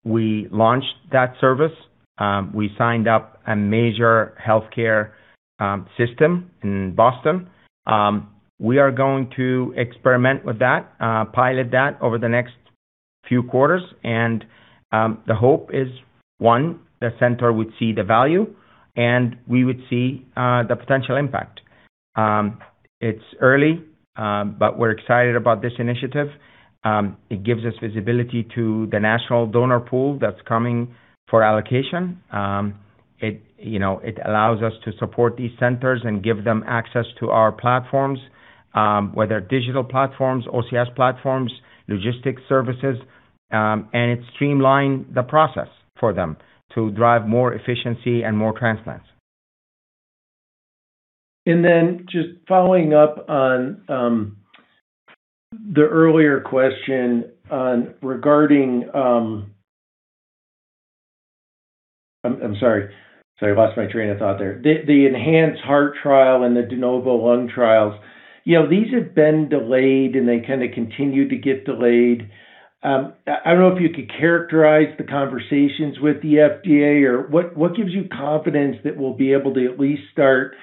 We launched that service. We signed up a major healthcare system in Boston. We are going to experiment with that, pilot that over the next few quarters. The hope is, one, the center would see the value and we would see the potential impact. It's early, but we're excited about this initiative. It gives us visibility to the national donor pool that's coming for allocation. It allows us to support these centers and give them access to our platforms, whether digital platforms, OCS platforms, logistics services. It streamlined the process for them to drive more efficiency and more transplants. Just following up on the earlier question on regarding I'm sorry. I lost my train of thought there. The ENHANCE Heart trial and the DENOVO Lung trials. These have been delayed, they kind of continue to get delayed. I don't know if you could characterize the conversations with the FDA or what gives you confidence that we'll be able to at least start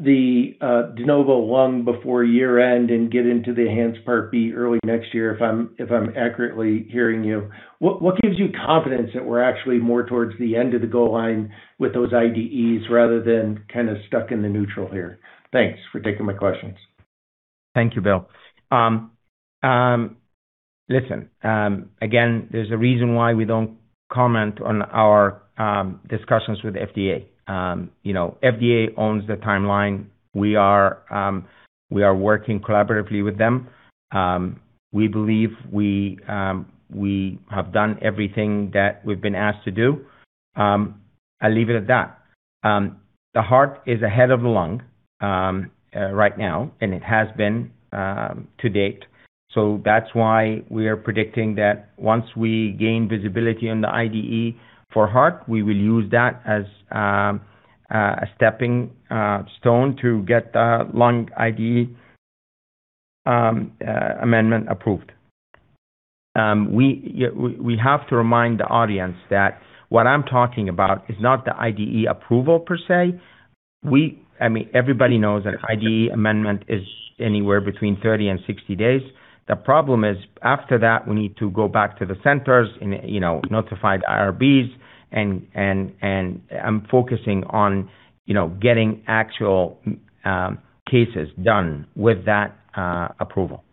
the DENOVO Lung before year end and get into the ENHANCE Part B early next year, if I'm accurately hearing you. What gives you confidence that we're actually more towards the end of the goal line with those IDEs rather than kind of stuck in the neutral here? Thanks for taking my questions. Thank you, Bill. Listen, again, there's a reason why we don't comment on our discussions with FDA. FDA owns the timeline. We are working collaboratively with them. We believe we have done everything that we've been asked to do. I leave it at that. The heart is ahead of the lung right now, it has been to date. That's why we are predicting that once we gain visibility on the IDE for heart, we will use that as a stepping stone to get the lung IDE amendment approved. We have to remind the audience that what I'm talking about is not the IDE approval per se. Everybody knows that IDE amendment is anywhere between 30 and 60 days. The problem is, after that, we need to go back to the centers and notify IRBs. I'm focusing on getting actual cases done with that approval.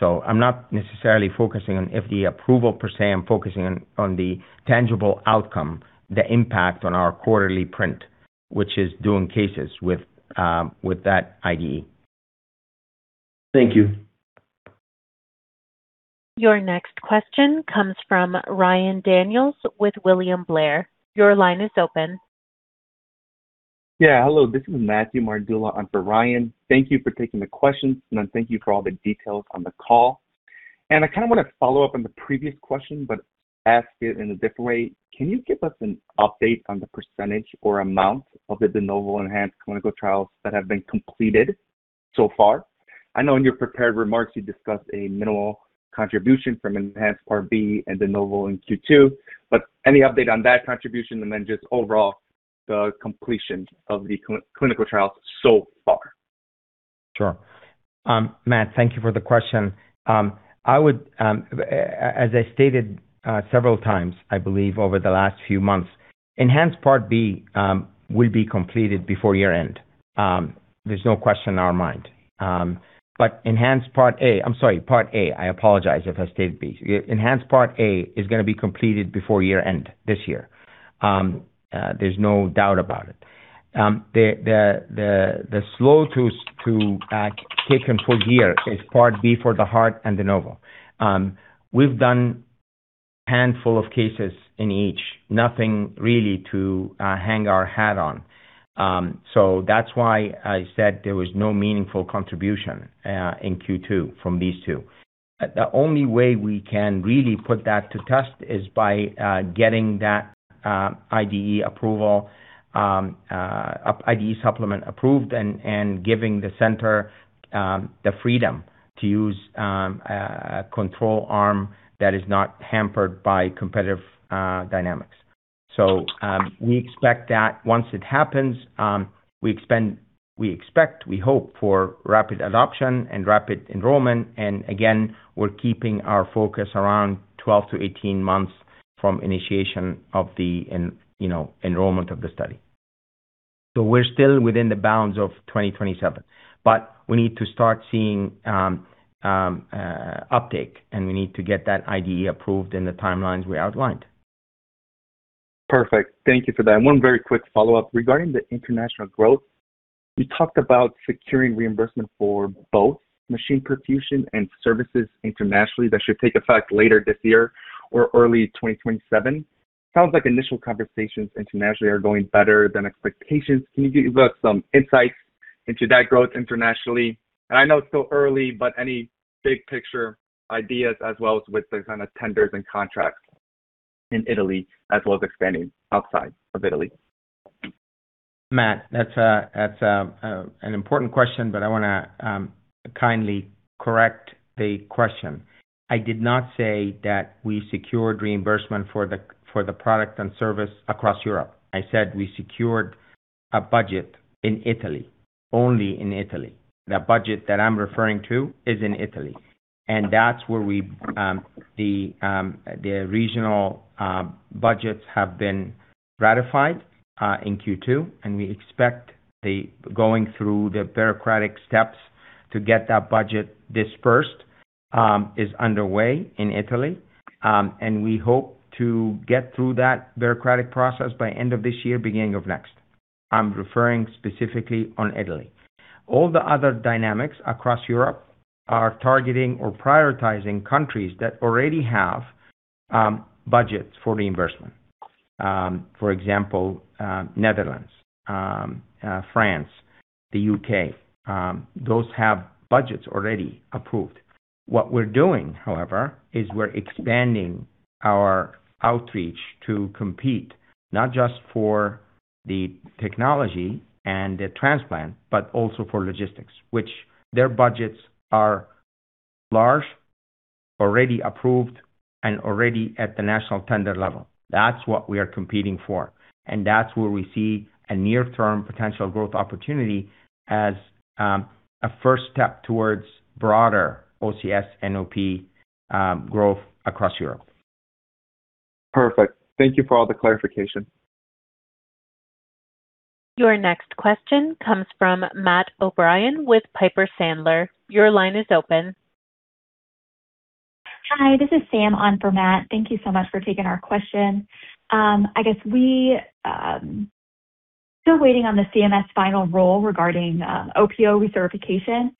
I'm not necessarily focusing on IDE approval per se, I'm focusing on the tangible outcome, the impact on our quarterly print, which is doing cases with that IDE. Thank you. Your next question comes from Ryan Daniels with William Blair. Your line is open. Hello. This is Matthew Mardula. I am for Ryan. Thank you for taking the questions, and thank you for all the details on the call. I want to follow up on the previous question, but ask it in a different way. Can you give us an update on the percentage or amount of the DENOVO Lung ENHANCE clinical trials that have been completed so far? I know in your prepared remarks you discussed a minimal contribution from ENHANCE Heart Part B and DENOVO Lung in Q2, any update on that contribution and then just overall the completion of the clinical trials so far? Sure. Matt, thank you for the question. As I stated several times, I believe over the last few months, ENHANCE Heart Part B will be completed before year-end. There is no question in our mind. ENHANCE trial Part A, I am sorry, Part A. I apologize if I stated B. ENHANCE trial Part A is going to be completed before year-end this year. There is no doubt about it. The slow to take control here is Part B for the heart and DENOVO Lung. We have done handful of cases in each, nothing really to hang our hat on. That is why I said there was no meaningful contribution in Q2 from these two. The only way we can really put that to test is by getting that IDE supplement approved and giving the center the freedom to use a control arm that is not hampered by competitive dynamics. We expect that once it happens, we expect, we hope for rapid adoption and rapid enrollment. Again, we are keeping our focus around 12-18 months from initiation of the enrollment of the study. We are still within the bounds of 2027. We need to start seeing uptake, and we need to get that IDE approved in the timelines we outlined. Perfect. Thank you for that. One very quick follow-up. Regarding the international growth, you talked about securing reimbursement for both machine perfusion and services internationally that should take effect later this year or early 2027. Sounds like initial conversations internationally are going better than expectations. Can you give us some insights into that growth internationally? I know it's still early, but any big-picture ideas as well with the kind of tenders and contracts in Italy, as well as expanding outside of Italy? Matt, that's an important question. I want to kindly correct the question. I did not say that we secured reimbursement for the product and service across Europe. I said we secured a budget in Italy, only in Italy. The budget that I'm referring to is in Italy. That's where the regional budgets have been ratified in Q2, and we expect going through the bureaucratic steps to get that budget dispersed is underway in Italy. We hope to get through that bureaucratic process by end of this year, beginning of next. I'm referring specifically on Italy. All the other dynamics across Europe are targeting or prioritizing countries that already have budgets for reimbursement. For example, Netherlands, France, the U.K. Those have budgets already approved. What we're doing, however, is we're expanding our outreach to compete not just for the technology and the transplant, but also for logistics, which their budgets are large, already approved, and already at the national tender level. That's what we are competing for, and that's where we see a near-term potential growth opportunity as a first step towards broader OCS NOP growth across Europe. Perfect. Thank you for all the clarification. Your next question comes from Matt O'Brien with Piper Sandler. Your line is open. Hi. This is Sam on for Matt. Thank you so much for taking our question. I guess we still waiting on the CMS final rule regarding OPO recertification.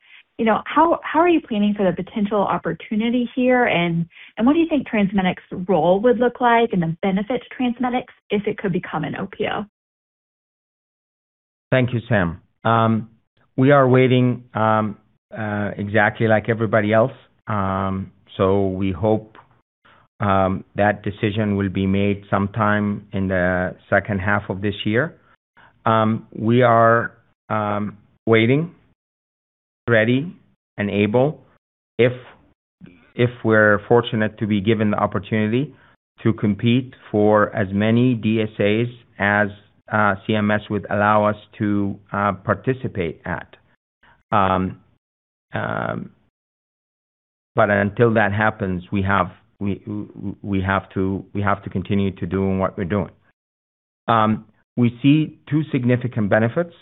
How are you planning for the potential opportunity here, and what do you think TransMedics' role would look like and the benefit to TransMedics if it could become an OPO? Thank you, Sam. We are waiting exactly like everybody else. We hope That decision will be made sometime in the second half of this year. We are waiting, ready, and able if we're fortunate to be given the opportunity to compete for as many DSAs as CMS would allow us to participate at. Until that happens, we have to continue to doing what we're doing. We see two significant benefits.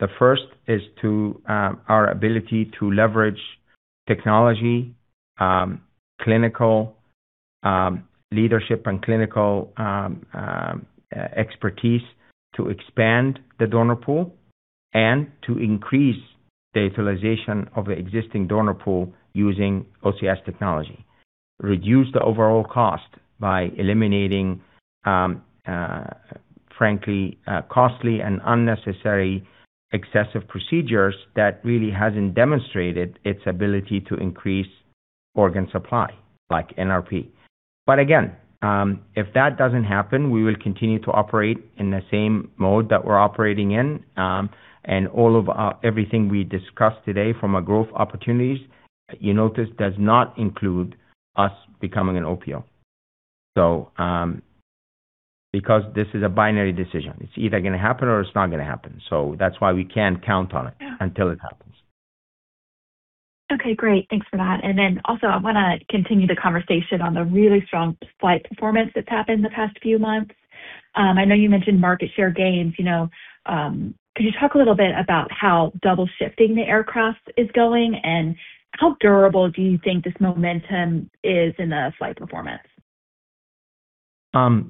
The first is to our ability to leverage technology, clinical leadership, and clinical expertise to expand the donor pool and to increase the utilization of the existing donor pool using OCS technology. Reduce the overall cost by eliminating, frankly, costly and unnecessary excessive procedures that really hasn't demonstrated its ability to increase organ supply, like NRP. Again, if that doesn't happen, we will continue to operate in the same mode that we're operating in. Everything we discussed today from a growth opportunities, you notice, does not include us becoming an OPO. Because this is a binary decision. It's either going to happen or it's not going to happen. That's why we can't count on it until it happens. Okay, great. Thanks for that. Also, I want to continue the conversation on the really strong flight performance that's happened the past few months. I know you mentioned market share gains. Could you talk a little bit about how double shifting the aircraft is going, and how durable do you think this momentum is in the flight performance?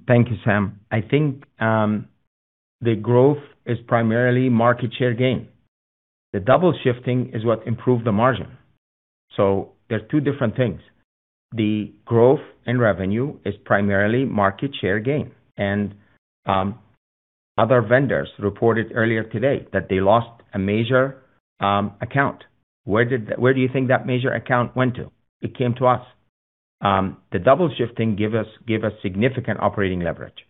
Thank you, Sam. I think the growth is primarily market share gain. The double shifting is what improved the margin. They're two different things. The growth in revenue is primarily market share gain. Other vendors reported earlier today that they lost a major account. Where do you think that major account went to? It came to us. The double shifting gave us significant operating leverage.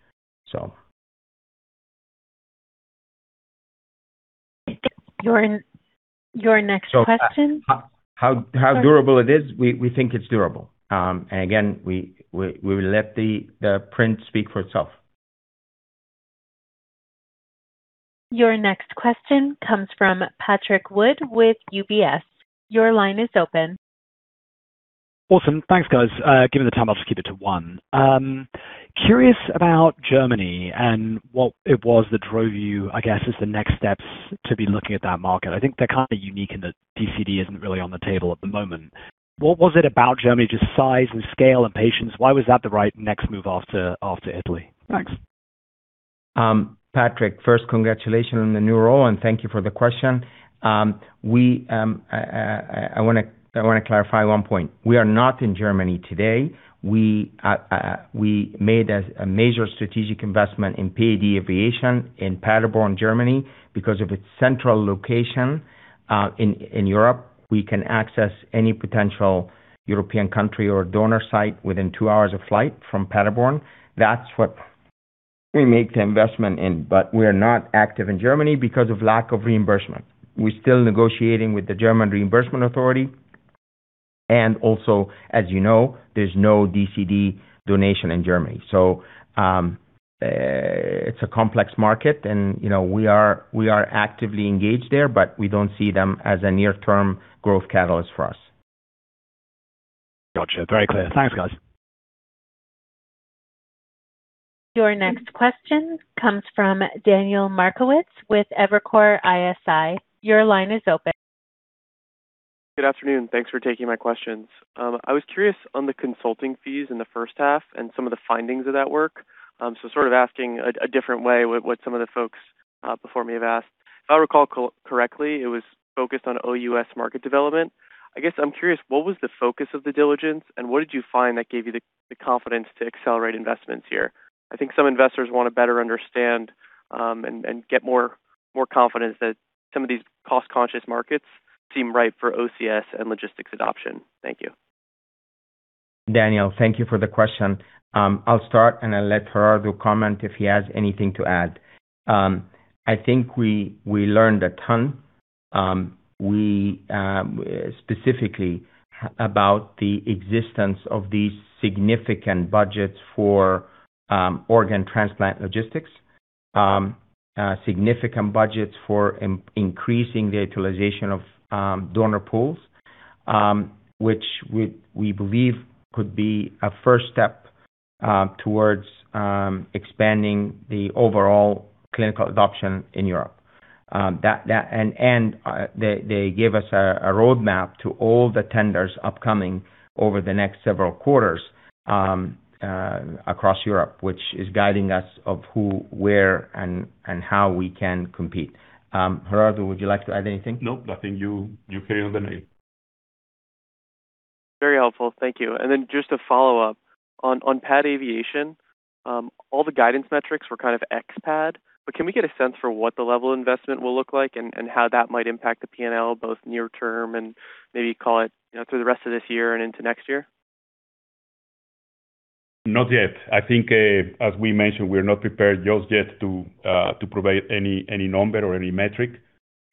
Your next question. How durable it is? We think it's durable. Again, we will let the print speak for itself. Your next question comes from Patrick Wood with UBS. Your line is open. Awesome. Thanks, guys. Given the time, I'll just keep it to one. Curious about Germany and what it was that drove you, I guess, as the next steps to be looking at that market. I think they're kind of unique in that DCD isn't really on the table at the moment. What was it about Germany? Just size and scale and patients, why was that the right next move after Italy? Thanks. Patrick, first, congratulations on the new role. Thank you for the question. I want to clarify one point. We are not in Germany today. We made a major strategic investment in PAD Aviation in Paderborn, Germany, because of its central location in Europe. We can access any potential European country or donor site within two hours of flight from Paderborn. That's what we make the investment in. We are not active in Germany because of lack of reimbursement. We're still negotiating with the German reimbursement authority. Also, as you know, there's no DCD donation in Germany. It's a complex market and we are actively engaged there, but we don't see them as a near-term growth catalyst for us. Gotcha. Very clear. Thanks, guys. Your next question comes from Daniel Markowitz with Evercore ISI. Your line is open. Good afternoon. Thanks for taking my questions. I was curious on the consulting fees in the first half and some of the findings of that work. Sort of asking a different way what some of the folks before me have asked. If I recall correctly, it was focused on OUS market development. I guess I'm curious, what was the focus of the diligence, and what did you find that gave you the confidence to accelerate investments here? I think some investors want to better understand and get more confidence that some of these cost-conscious markets seem ripe for OCS and logistics adoption. Thank you. Daniel, thank you for the question. I'll start and I'll let Gerardo comment if he has anything to add. I think we learned a ton. We specifically, about the existence of these significant budgets for organ transplant logistics, significant budgets for increasing the utilization of donor pools, which we believe could be a first step towards expanding the overall clinical adoption in Europe. They gave us a roadmap to all the tenders upcoming over the next several quarters across Europe, which is guiding us of who, where, and how we can compete. Gerardo, would you like to add anything? No, I think you hit it on the nail. Very helpful. Thank you. Then just a follow-up on PAD Aviation. All the guidance metrics were kind of ex PAD, but can we get a sense for what the level of investment will look like and how that might impact the P&L, both near term and maybe call it through the rest of this year and into next year? Not yet. I think, as we mentioned, we're not prepared just yet to provide any number or any metric.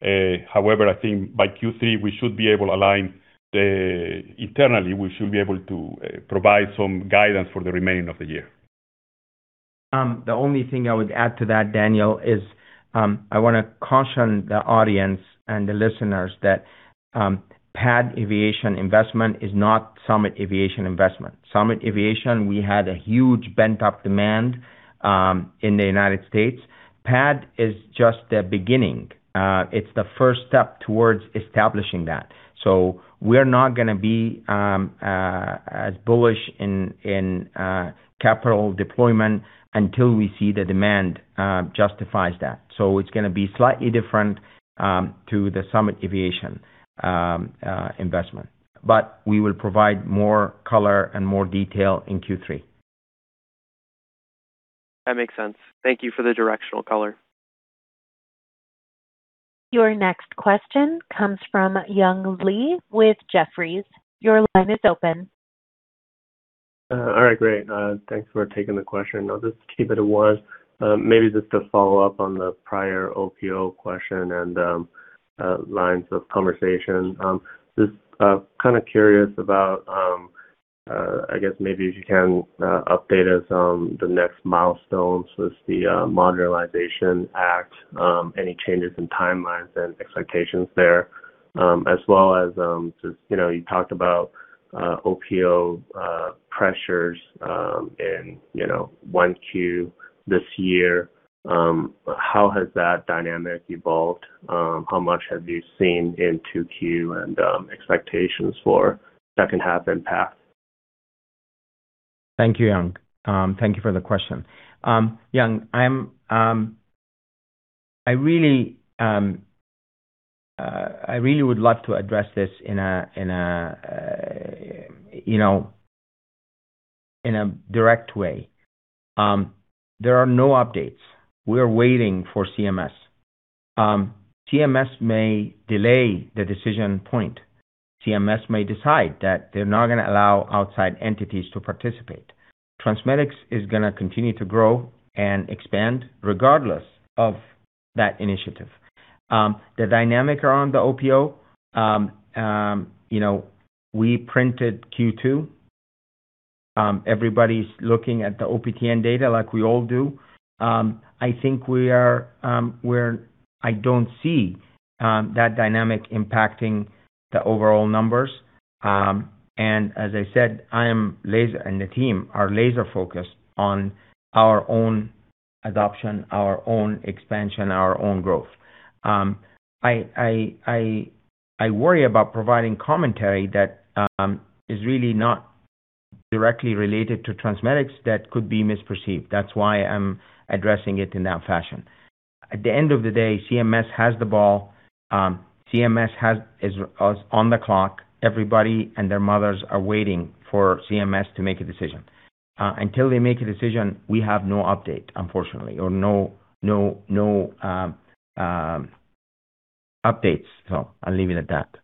I think by Q3, we should be able to align internally. We should be able to provide some guidance for the remaining of the year. The only thing I would add to that, Daniel, is I want to caution the audience and the listeners that PAD Aviation investment is not Summit Aviation investment. Summit Aviation, we had a huge pent-up demand in the United States. PAD is just the beginning. It's the first step towards establishing that. We're not going to be as bullish in capital deployment until we see the demand justifies that. It's going to be slightly different to the Summit Aviation investment. We will provide more color and more detail in Q3. That makes sense. Thank you for the directional color. Your next question comes from Young Li with Jefferies. Your line is open. All right, great. Thanks for taking the question. I'll just keep it to one. Maybe just to follow up on the prior OPO question and lines of conversation. Just kind of curious about, I guess maybe if you can update us on the next milestones with the Modernization Act, any changes in timelines and expectations there, as well as just you talked about OPO pressures in 1Q this year. How has that dynamic evolved? How much have you seen in 2Q and expectations for second half and path? Thank you, Young. Thank you for the question. Young, I really would love to address this in a direct way. There are no updates. We are waiting for CMS. CMS may delay the decision point. CMS may decide that they're not going to allow outside entities to participate. TransMedics is going to continue to grow and expand regardless of that initiative. The dynamic around the OPO, we printed Q2. Everybody's looking at the OPTN data like we all do. I think I don't see that dynamic impacting the overall numbers. As I said, I am laser, and the team are laser-focused on our own adoption, our own expansion, our own growth. I worry about providing commentary that is really not directly related to TransMedics that could be misperceived. That's why I'm addressing it in that fashion. At the end of the day, CMS has the ball. CMS is on the clock. Everybody and their mothers are waiting for CMS to make a decision. Until they make a decision, we have no update, unfortunately, or no updates. I'll leave it at that.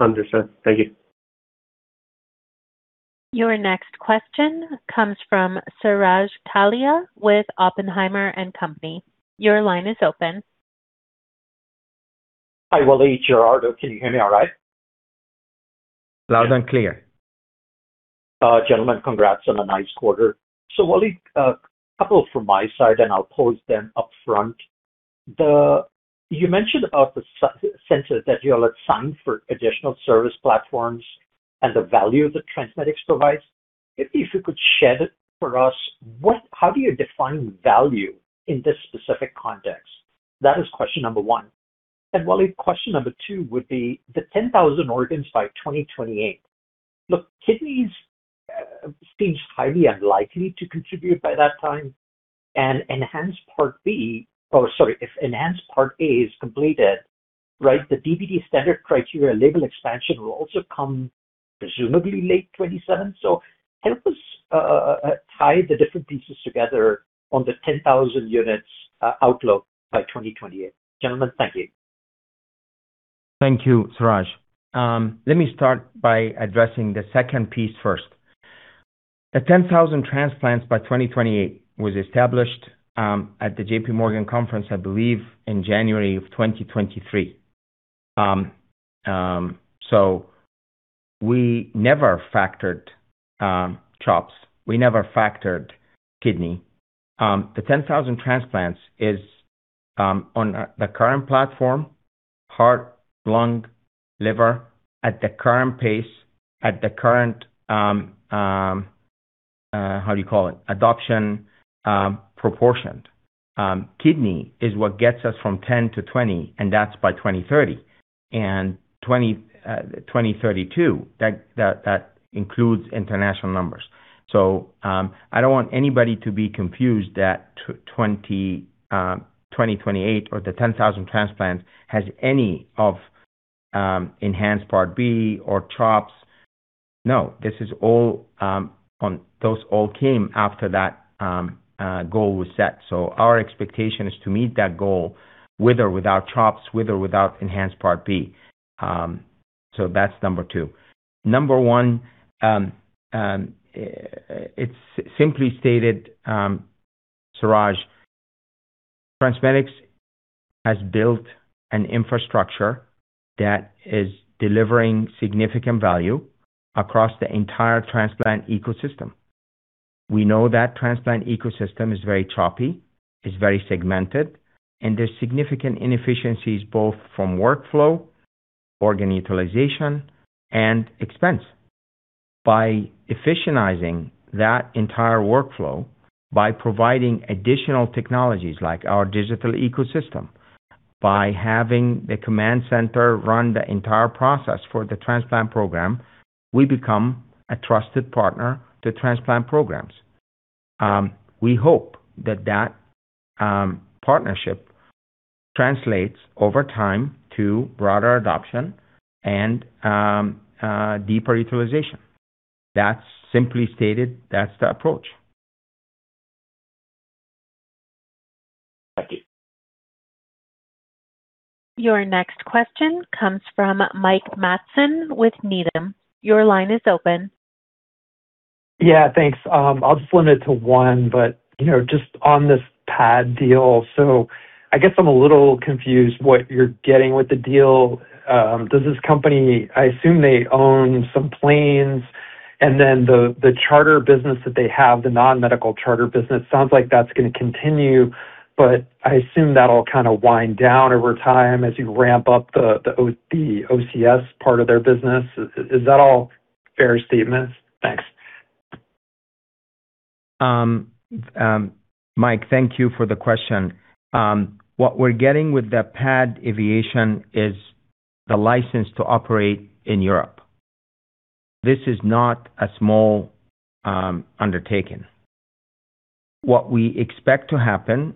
Understood. Thank you. Your next question comes from Suraj Kalia with Oppenheimer & Company. Your line is open. Hi, Waleed, Gerardo. Can you hear me all right? Loud and clear. Gentlemen, congrats on a nice quarter. Waleed, a couple from my side, and I'll pose them upfront. You mentioned about the centers that you all had signed for additional service platforms and the value that TransMedics provides. If you could shed it for us, how do you define value in this specific context? That is question number one. Waleed, question number two would be the 10,000 organs by 2028. Look, kidneys seems highly unlikely to contribute by that time. ENHANCE Part B, or sorry, if ENHANCE Part A is completed, the DBD standard criteria label expansion will also come presumably late 2027. Help us tie the different pieces together on the 10,000 units outlook by 2028. Gentlemen, thank you. Thank you, Suraj. Let me start by addressing the second piece first. The 10,000 transplants by 2028 was established at the JPMorgan conference, I believe, in January of 2023. We never factored CHOPS. We never factored kidney. The 10,000 transplants is on the current platform, heart, lung, liver, at the current pace, at the current, how do you call it, adoption proportion. Kidney is what gets us from 10-20, and that's by 2030 and 2032. That includes international numbers. I don't want anybody to be confused that 2028 or the 10,000 transplants has any of ENHANCE Part B or CHOPS. No, those all came after that goal was set. Our expectation is to meet that goal with or without CHOPS, with or without ENHANCE Part B. That's number two. Number one, it's simply stated, Suraj, TransMedics has built an infrastructure that is delivering significant value across the entire transplant ecosystem. We know that transplant ecosystem is very choppy, is very segmented, and there's significant inefficiencies both from workflow, organ utilization, and expense. By efficientizing that entire workflow, by providing additional technologies like our digital ecosystem, by having the command center run the entire process for the transplant program, we become a trusted partner to transplant programs. We hope that that partnership translates over time to broader adoption and deeper utilization. That's simply stated, that's the approach. Thank you. Your next question comes from Mike Matson with Needham. Your line is open. Yeah, thanks. I'll just limit it to one. Just on this PAD deal, I guess I'm a little confused what you're getting with the deal. Does this company, I assume they own some planes, and then the charter business that they have, the non-medical charter business, sounds like that's going to continue, but I assume that'll kind of wind down over time as you ramp up the OCS part of their business. Is that all fair statements? Thanks. Mike, thank you for the question. What we're getting with the PAD Aviation is the license to operate in Europe. This is not a small undertaking. What we expect to happen,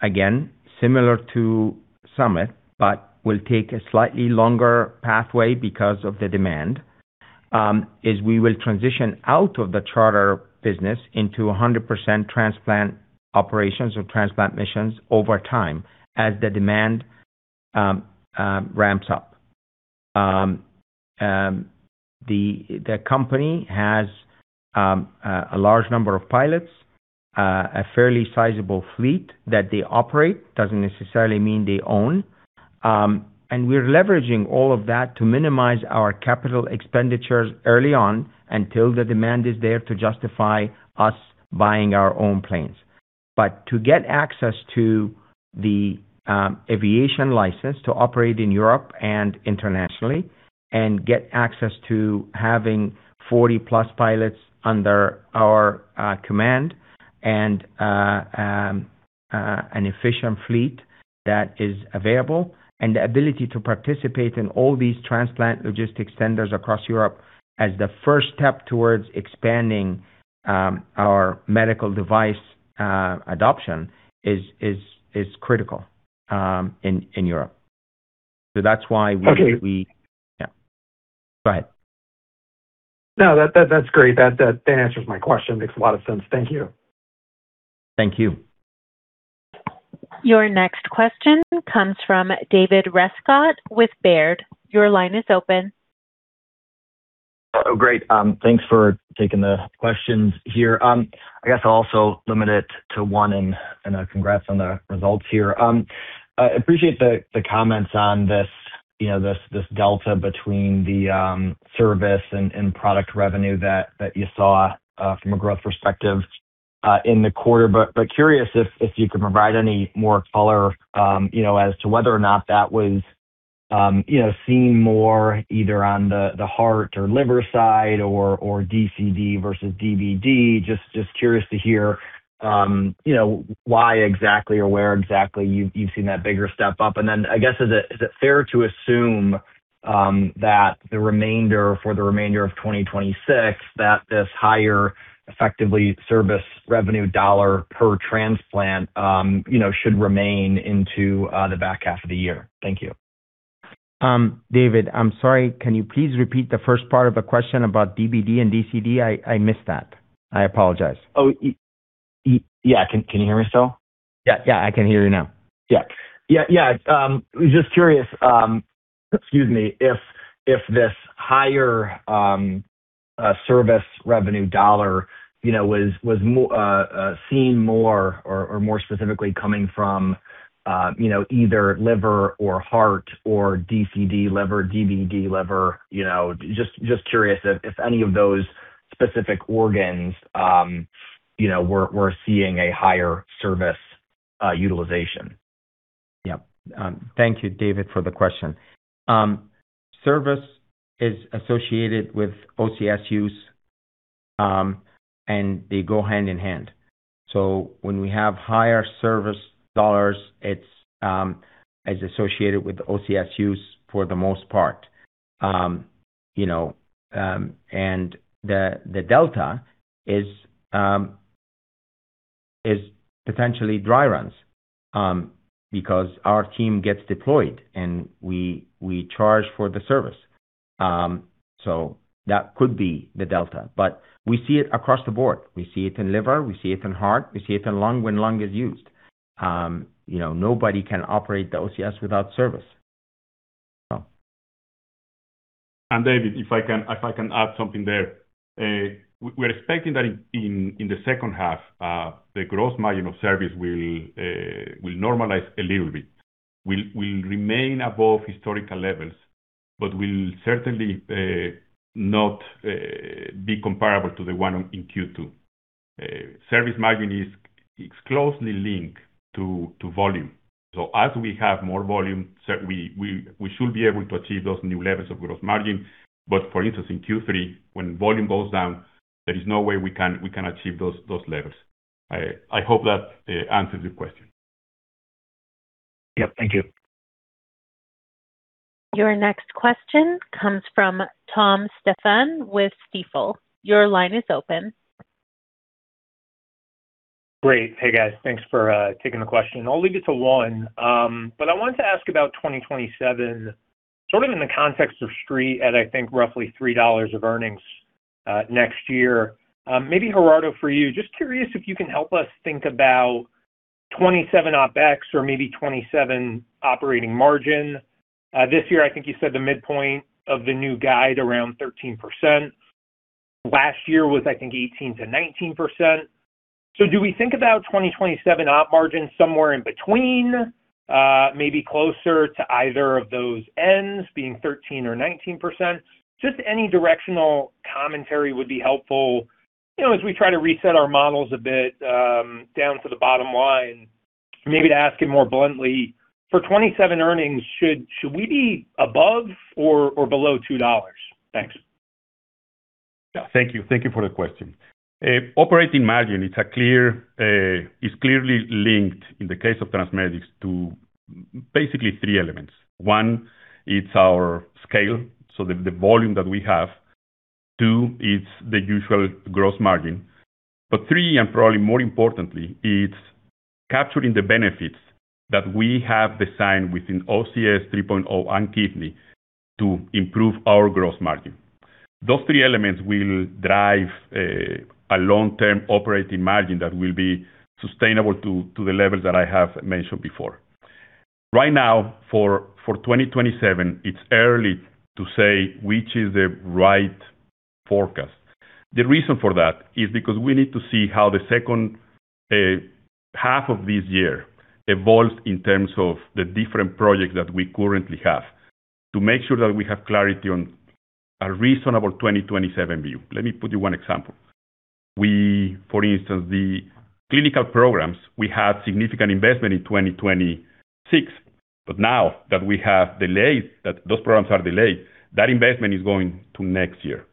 again, similar to Summit, but will take a slightly longer pathway because of the demand, is we will transition out of the charter business into 100% transplant operations or transplant missions over time as the demand ramps up. The company has a large number of pilots, a fairly sizable fleet that they operate, doesn't necessarily mean they own. We're leveraging all of that to minimize our capital expenditures early on until the demand is there to justify us buying our own planes. To get access to the aviation license to operate in Europe and internationally and get access to having 40+ pilots under our command and an efficient fleet that is available, and the ability to participate in all these transplant logistics centers across Europe as the first step towards expanding our medical device adoption is critical in Europe. That's why we. Okay. Yeah. Go ahead. No, that is great. That answers my question. Makes a lot of sense. Thank you. Thank you. Your next question comes from David Rescott with Baird. Your line is open. Great. Thanks for taking the questions here. I guess I'll also limit it to one, congrats on the results here. I appreciate the comments on this delta between the service and product revenue that you saw from a growth perspective in the quarter. Curious if you could provide any more color as to whether or not that was seen more either on the heart or liver side or DCD versus DBD. Just curious to hear why exactly or where exactly you've seen that bigger step up. I guess, is it fair to assume that for the remainder of 2026, that this higher effectively service revenue dollar per transplant should remain into the back half of the year? Thank you. David, I'm sorry, can you please repeat the first part of the question about DBD and DCD? I missed that. I apologize. Yeah. Can you hear me still? Yeah, I can hear you now. I was just curious, excuse me, if this higher service revenue dollar was seen more or more specifically coming from either liver or heart or DCD liver, DBD liver. Just curious if any of those specific organs were seeing a higher service utilization. Thank you, David, for the question. Service is associated with OCS use, they go hand in hand. When we have higher service dollars, it's associated with OCS use for the most part. The delta is potentially dry runs, because our team gets deployed and we charge for the service. That could be the delta. We see it across the board. We see it in liver, we see it in heart, we see it in lung when lung is used. Nobody can operate the OCS without service. David, if I can add something there. We're expecting that in the second half, the gross margin of service will normalize a little bit. Will remain above historical levels, but will certainly not be comparable to the one in Q2. Service margin is closely linked to volume. As we have more volume, we should be able to achieve those new levels of gross margin. For instance, in Q3, when volume goes down, there is no way we can achieve those levels. I hope that answers your question. Thank you. Your next question comes from Tom Stephan with Stifel. Your line is open. Great. Hey, guys. Thanks for taking the question. I will leave it to one. I wanted to ask about 2027, sort of in the context of street at, I think, roughly $3 of earnings next year. Maybe Gerardo, for you, just curious if you can help us think about 2027 OpEx or maybe 2027 operating margin. This year, I think you said the midpoint of the new guide around 13%. Last year was, I think, 18%-19%. Do we think about 2027 op margin somewhere in between? Maybe closer to either of those ends being 13% or 19%? Just any directional commentary would be helpful as we try to reset our models a bit down to the bottom line. Maybe to ask it more bluntly, for 2027 earnings, should we be above or below $2? Thanks. Yeah. Thank you. Thank you for the question. Operating margin is clearly linked in the case of TransMedics to basically three elements. One, it is our scale, so the volume that we have. Two, it is the usual gross margin. Three, and probably more importantly, it is capturing the benefits that we have designed within OCS 3.0 and Kidney to improve our gross margin. Those three elements will drive a long-term operating margin that will be sustainable to the level that I have mentioned before. Right now, for 2027, it is early to say which is the right forecast. The reason for that is because we need to see how the second half of this year evolves in terms of the different projects that we currently have to make sure that we have clarity on a reasonable 2027 view. Let me put you one example. For instance, the clinical programs, we had significant investment in 2026, now that those programs are delayed, that investment is going to next year.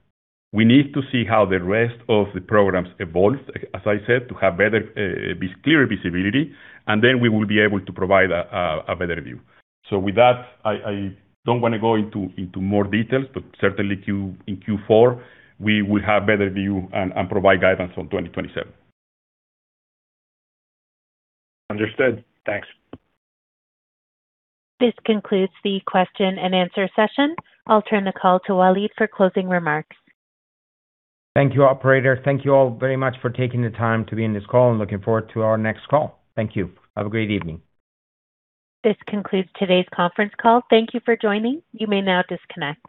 We need to see how the rest of the programs evolve, as I said, to have better, clear visibility, and we will be able to provide a better view. With that, I do not want to go into more details, but certainly in Q4, we will have better view and provide guidance on 2027. Understood. Thanks. This concludes the question and answer session. I'll turn the call to Waleed for closing remarks. Thank you, operator. Thank you all very much for taking the time to be in this call, and looking forward to our next call. Thank you. Have a great evening. This concludes today's conference call. Thank you for joining. You may now disconnect.